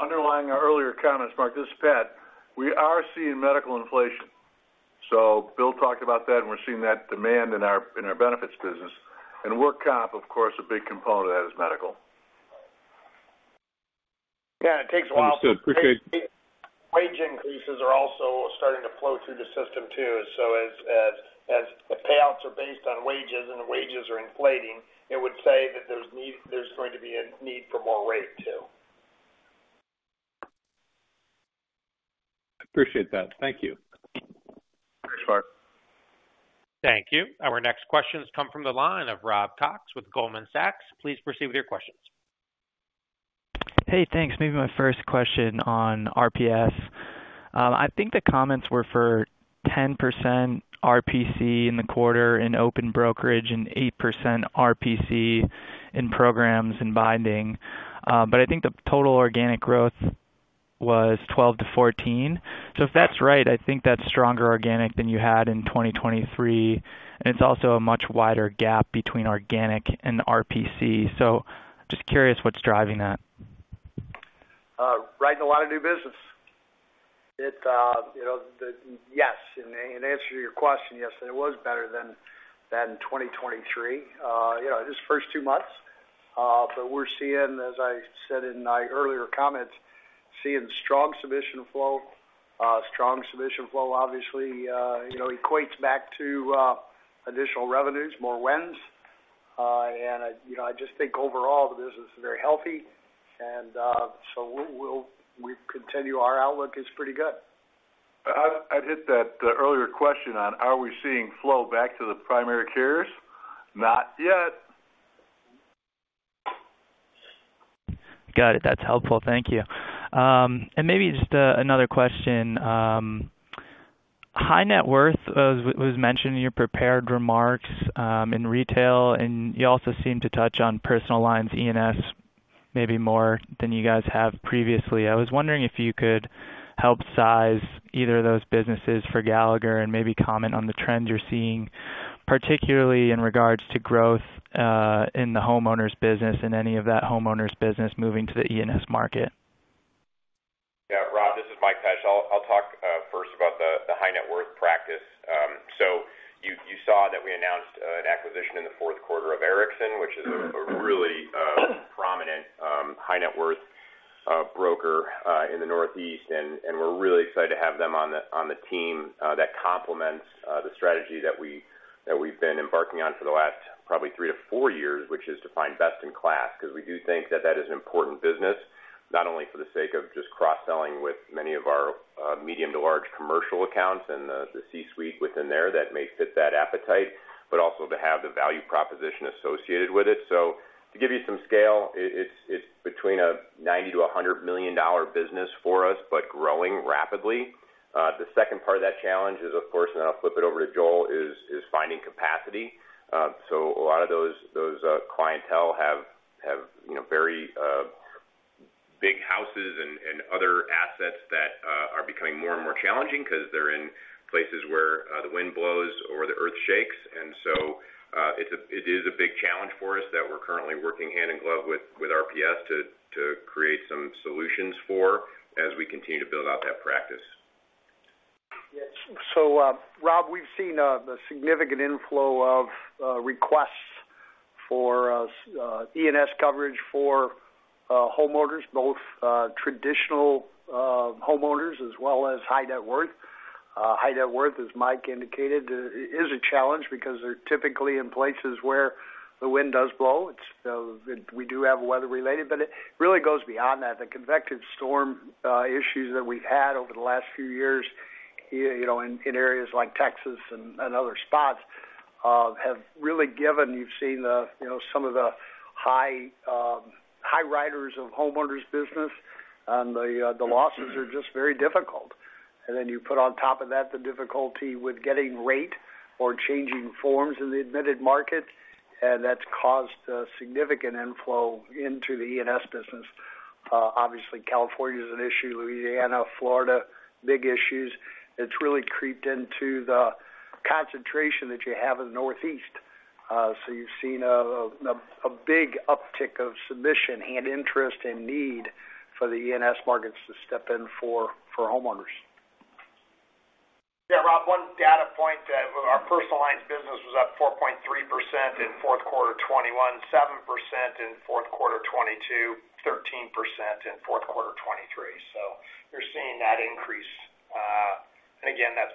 Underlying our earlier comments, Mark, this is Pat. We are seeing medical inflation. So Bill talked about that, and we're seeing that demand in our benefits business. Work comp, of course, a big component of that is medical. Yeah. It takes a while to. Understood. Appreciate it. Wage increases are also starting to flow through the system too. So as payouts are based on wages and wages are inflating, it would say that there's going to be a need for more rate too. Appreciate that. Thank you. Thanks, Mark. Thank you. Our next questions come from the line of Rob Cox with Goldman Sachs. Please proceed with your questions. Hey. Thanks. Maybe my first question on RPS. I think the comments were for 10% RPC in the quarter in open brokerage and 8% RPC in programs and binding. But I think the total organic growth was 12%-14%. So if that's right, I think that's stronger organic than you had in 2023. And it's also a much wider gap between organic and RPC. So just curious what's driving that. Right. A lot of new business. Yes. And to answer your question, yes, it was better than in 2023, this first 2 months. But we're seeing, as I said in my earlier comments, seeing strong submission flow. Strong submission flow, obviously, equates back to additional revenues, more wins. And I just think overall, the business is very healthy. And so we'll continue. Our outlook is pretty good. I'd hit that earlier question on are we seeing flow back to the primary carriers? Not yet. Got it. That's helpful. Thank you. And maybe just another question. High net worth was mentioned in your prepared remarks in retail, and you also seemed to touch on personal lines, E&S, maybe more than you guys have previously. I was wondering if you could help size either of those businesses for Gallagher and maybe comment on the trend you're seeing, particularly in regards to growth in the homeowners' business and any of that homeowners' business moving to the E&S market. Yeah. Rob, this is Mike Pesch. I'll talk first about the high net worth practice. So you saw that we announced an acquisition in the fourth quarter of Ericson, which is a really prominent high net worth broker in the Northeast. And we're really excited to have them on the team that complements the strategy that we've been embarking on for the last probably three to four years, which is to find best in class because we do think that that is an important business, not only for the sake of just cross-selling with many of our medium to large commercial accounts and the C-suite within there that may fit that appetite, but also to have the value proposition associated with it. So to give you some scale, it's between a $90 million-$100 million business for us, but growing rapidly. The second part of that challenge is, of course - and then I'll flip it over to Joel - is finding capacity. So a lot of those clientele have very big houses and other assets that are becoming more and more challenging because they're in places where the wind blows or the earth shakes. And so it is a big challenge for us that we're currently working hand in glove with RPS to create some solutions for as we continue to build out that practice. Yeah. So Rob, we've seen a significant inflow of requests for E&S coverage for homeowners, both traditional homeowners as well as high net worth. High net worth, as Mike indicated, is a challenge because they're typically in places where the wind does blow. We do have weather-related, but it really goes beyond that. The convective storm issues that we've had over the last few years in areas like Texas and other spots have really given you've seen some of the high writers of homeowners' business, and the losses are just very difficult. And then you put on top of that the difficulty with getting rate or changing forms in the admitted market, and that's caused significant inflow into the E&S business. Obviously, California is an issue. Louisiana, Florida, big issues. It's really crept into the concentration that you have in the Northeast. You've seen a big uptick in submissions, heightened interest, and need for the E&S markets to step in for homeowners. Yeah. Rob, one data point. Our personal lines business was up 4.3% in fourth quarter 2021, 7% in fourth quarter 2022, 13% in fourth quarter 2023. So you're seeing that increase. And again, that's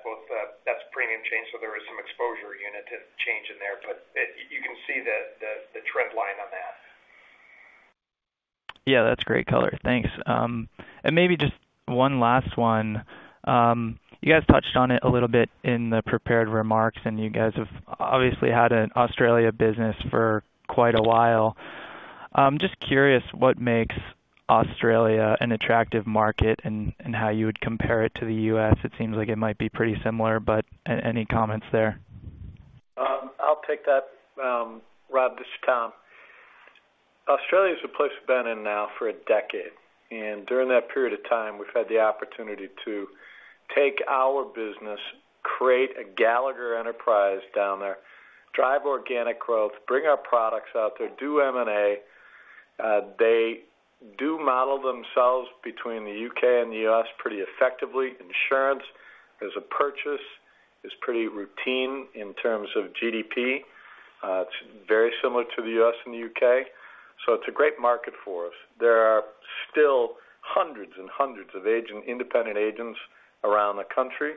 premium change. So there is some exposure unit change in there, but you can see the trend line on that. Yeah. That's great color. Thanks. And maybe just one last one. You guys touched on it a little bit in the prepared remarks, and you guys have obviously had an Australia business for quite a while. Just curious what makes Australia an attractive market and how you would compare it to the U.S. It seems like it might be pretty similar, but any comments there? I'll pick that, Rob. This is Tom. Australia is a place we've been in now for a decade. During that period of time, we've had the opportunity to take our business, create a Gallagher enterprise down there, drive organic growth, bring our products out there, do M&A. They do model themselves between the U.K. and the U.S. pretty effectively. Insurance as a purchase is pretty routine in terms of GDP. It's very similar to the U.S. and the U.K. So it's a great market for us. There are still hundreds and hundreds of independent agents around the country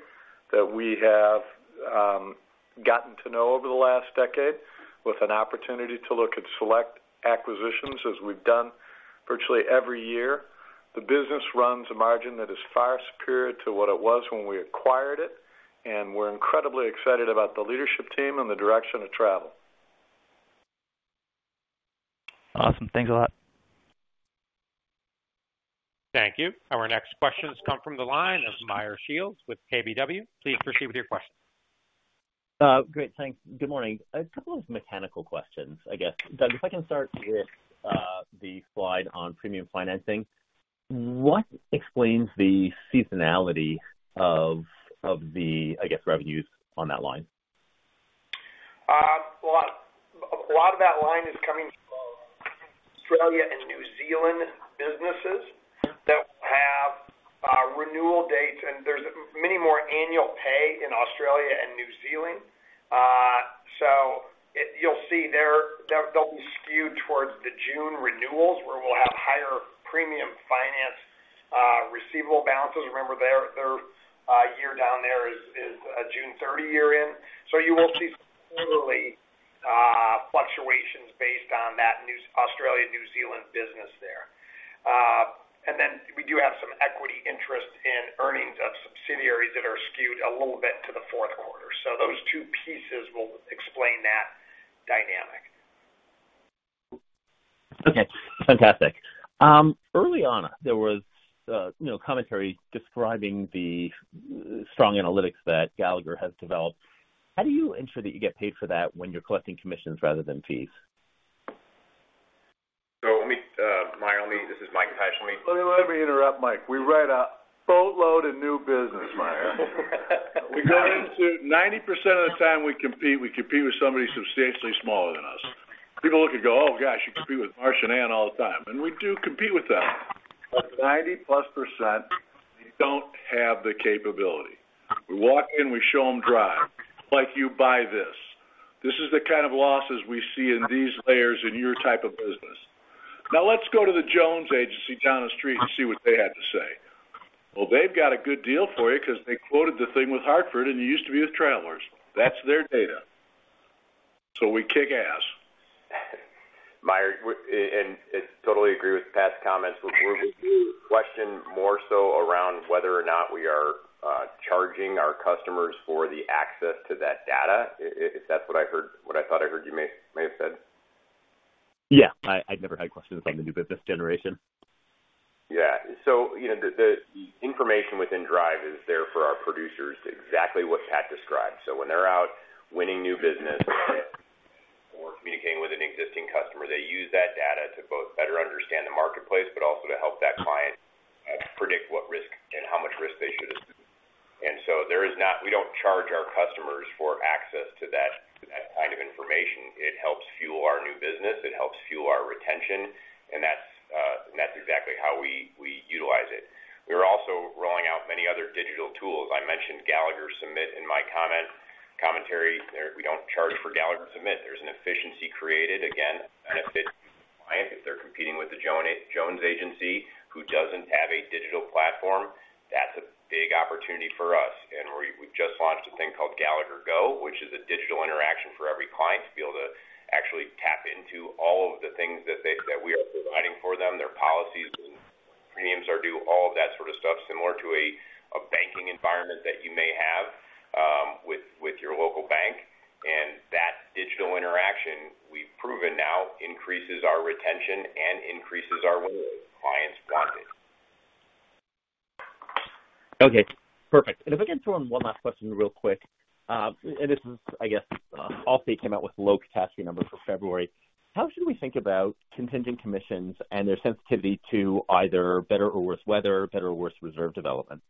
that we have gotten to know over the last decade with an opportunity to look at select acquisitions as we've done virtually every year. The business runs a margin that is far superior to what it was when we acquired it. We're incredibly excited about the leadership team and the direction of travel. Awesome. Thanks a lot. Thank you. Our next questions come from the line of Meyer Shields with KBW. Please proceed with your question. Great. Thanks. Good morning. A couple of mechanical questions, I guess. Doug, if I can start with the slide on premium financing, what explains the seasonality of the, I guess, revenues on that line? Well, a lot of that line is coming from Australia and New Zealand businesses that will have renewal dates. And there's many more annual pay in Australia and New Zealand. So you'll see they'll be skewed towards the June renewals where we'll have higher premium finance receivable balances. Remember, their year down there is June 30 year-end. So you will see some quarterly fluctuations based on that Australia-New Zealand business there. And then we do have some equity interest in earnings of subsidiaries that are skewed a little bit to the fourth quarter. So those two pieces will explain that dynamic. Okay. Fantastic. Early on, there was commentary describing the strong analytics that Gallagher has developed. How do you ensure that you get paid for that when you're collecting commissions rather than fees? So let me, Meyer, this is Mike Pesch. Let me. Let me interrupt, Mike. We write a boatload of new business, Meyer. We go into 90% of the time, we compete with somebody substantially smaller than us. People look and go, "Oh gosh, you compete with Marsh and Aon all the time." And we do compete with them. But 90+%, they don't have the capability. We walk in, we show them Drive. Like, "You buy this." This is the kind of losses we see in these layers in your type of business. Now, let's go to the Jones agency down the street and see what they had to say. Well, they've got a good deal for you because they quoted the thing with Hartford, and you used to be with Travelers. That's their data. So we kick ass. Meyer, and I totally agree with Pat's comments. We're questioning more so around whether or not we are charging our customers for the access to that data, if that's what I thought I heard you may have said. Yeah. I'd never had questions on the new business generation. Yeah. So the information within Drive is there for our producers, exactly what Pat described. So when they're out winning new business or communicating with an existing customer, they use that data to both better understand the marketplace but also to help that client predict what risk and how much risk they should assume. And so we don't charge our customers for access to that kind of information. It helps fuel our new business. It helps fuel our retention. And that's exactly how we utilize it. We're also rolling out many other digital tools. I mentioned Gallagher Submit in my commentary. We don't charge for Gallagher Submit. There's an efficiency created, again, benefit to the client. If they're competing with the Jones agency who doesn't have a digital platform, that's a big opportunity for us. We've just launched a thing called Gallagher Go, which is a digital interaction for every client to be able to actually tap into all of the things that we are providing for them, their policies, premiums are due, all of that sort of stuff, similar to a banking environment that you may have with your local bank. That digital interaction, we've proven now, increases our retention and increases our win rate. Clients want it. Okay. Perfect. And if I can throw in one last question real quick and this is, I guess, Allstate came out with low-capacity numbers for February. How should we think about contingent commissions and their sensitivity to either better or worse weather, better or worse reserve development?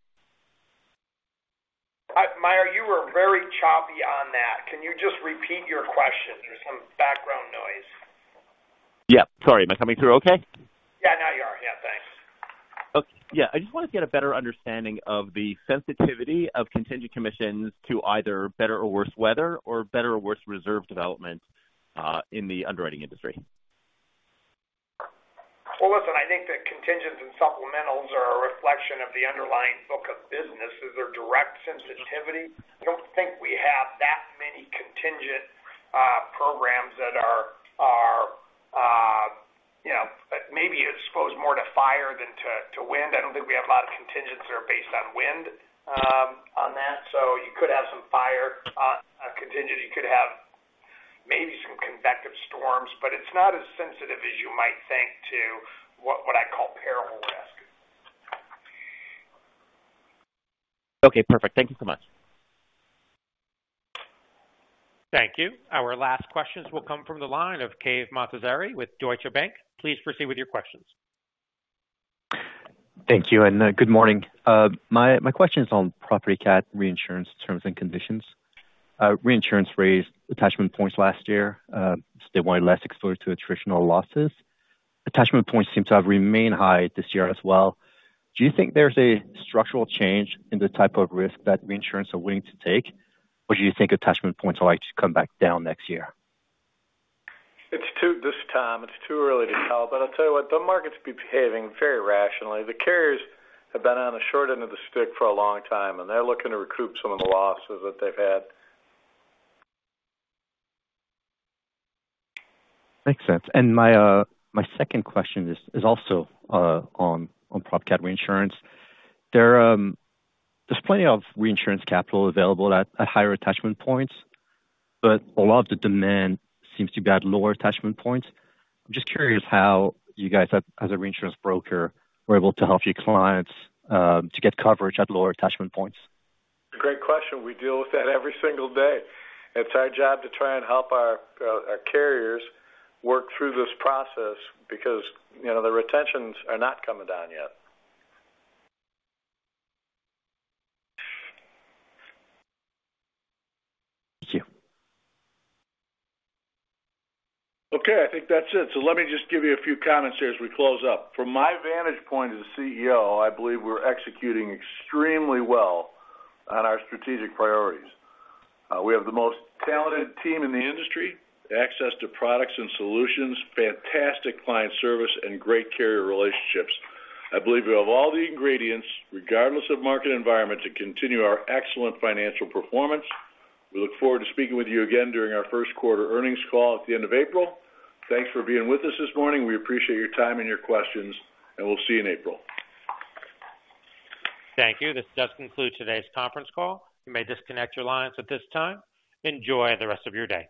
Meyer, you were very choppy on that. Can you just repeat your question? There's some background noise. Yeah. Sorry. Am I coming through okay? Yeah. Now you are. Yeah. Thanks. Yeah. I just wanted to get a better understanding of the sensitivity of contingent commissions to either better or worse weather or better or worse reserve development in the underwriting industry. Well, listen, I think that contingents and supplementals are a reflection of the underlying book of businesses. They're direct sensitivity. I don't think we have that many contingent programs that are maybe exposed more to fire than to wind. I don't think we have a lot of contingents that are based on wind on that. So you could have some fire contingent. You could have maybe some convective storms, but it's not as sensitive as you might think to what I call peril risk. Okay. Perfect. Thank you so much. Thank you. Our last questions will come from the line of Cave Montazeri with Deutsche Bank. Please proceed with your questions. Thank you. And good morning. My question is on property cat reinsurance terms and conditions. Reinsurance raised attachment points last year because they wanted less exposure to attritional losses. Attachment points seem to have remained high this year as well. Do you think there's a structural change in the type of risk that reinsurance are willing to take, or do you think attachment points are likely to come back down next year? It's too early to tell. But I'll tell you what, the market's behaving very rationally. The carriers have been on the short end of the stick for a long time, and they're looking to recoup some of the losses that they've had. Makes sense. And my second question is also on prop cat reinsurance. There's plenty of reinsurance capital available at higher attachment points, but a lot of the demand seems to be at lower attachment points. I'm just curious how you guys, as a reinsurance broker, were able to help your clients to get coverage at lower attachment points. Great question. We deal with that every single day. It's our job to try and help our carriers work through this process because the retentions are not coming down yet. Thank you. Okay. I think that's it. So let me just give you a few comments here as we close up. From my vantage point as a CEO, I believe we're executing extremely well on our strategic priorities. We have the most talented team in the industry, access to products and solutions, fantastic client service, and great carrier relationships. I believe we have all the ingredients, regardless of market environment, to continue our excellent financial performance. We look forward to speaking with you again during our first quarter earnings call at the end of April. Thanks for being with us this morning. We appreciate your time and your questions, and we'll see you in April. Thank you. This does conclude today's conference call. You may disconnect your lines at this time. Enjoy the rest of your day.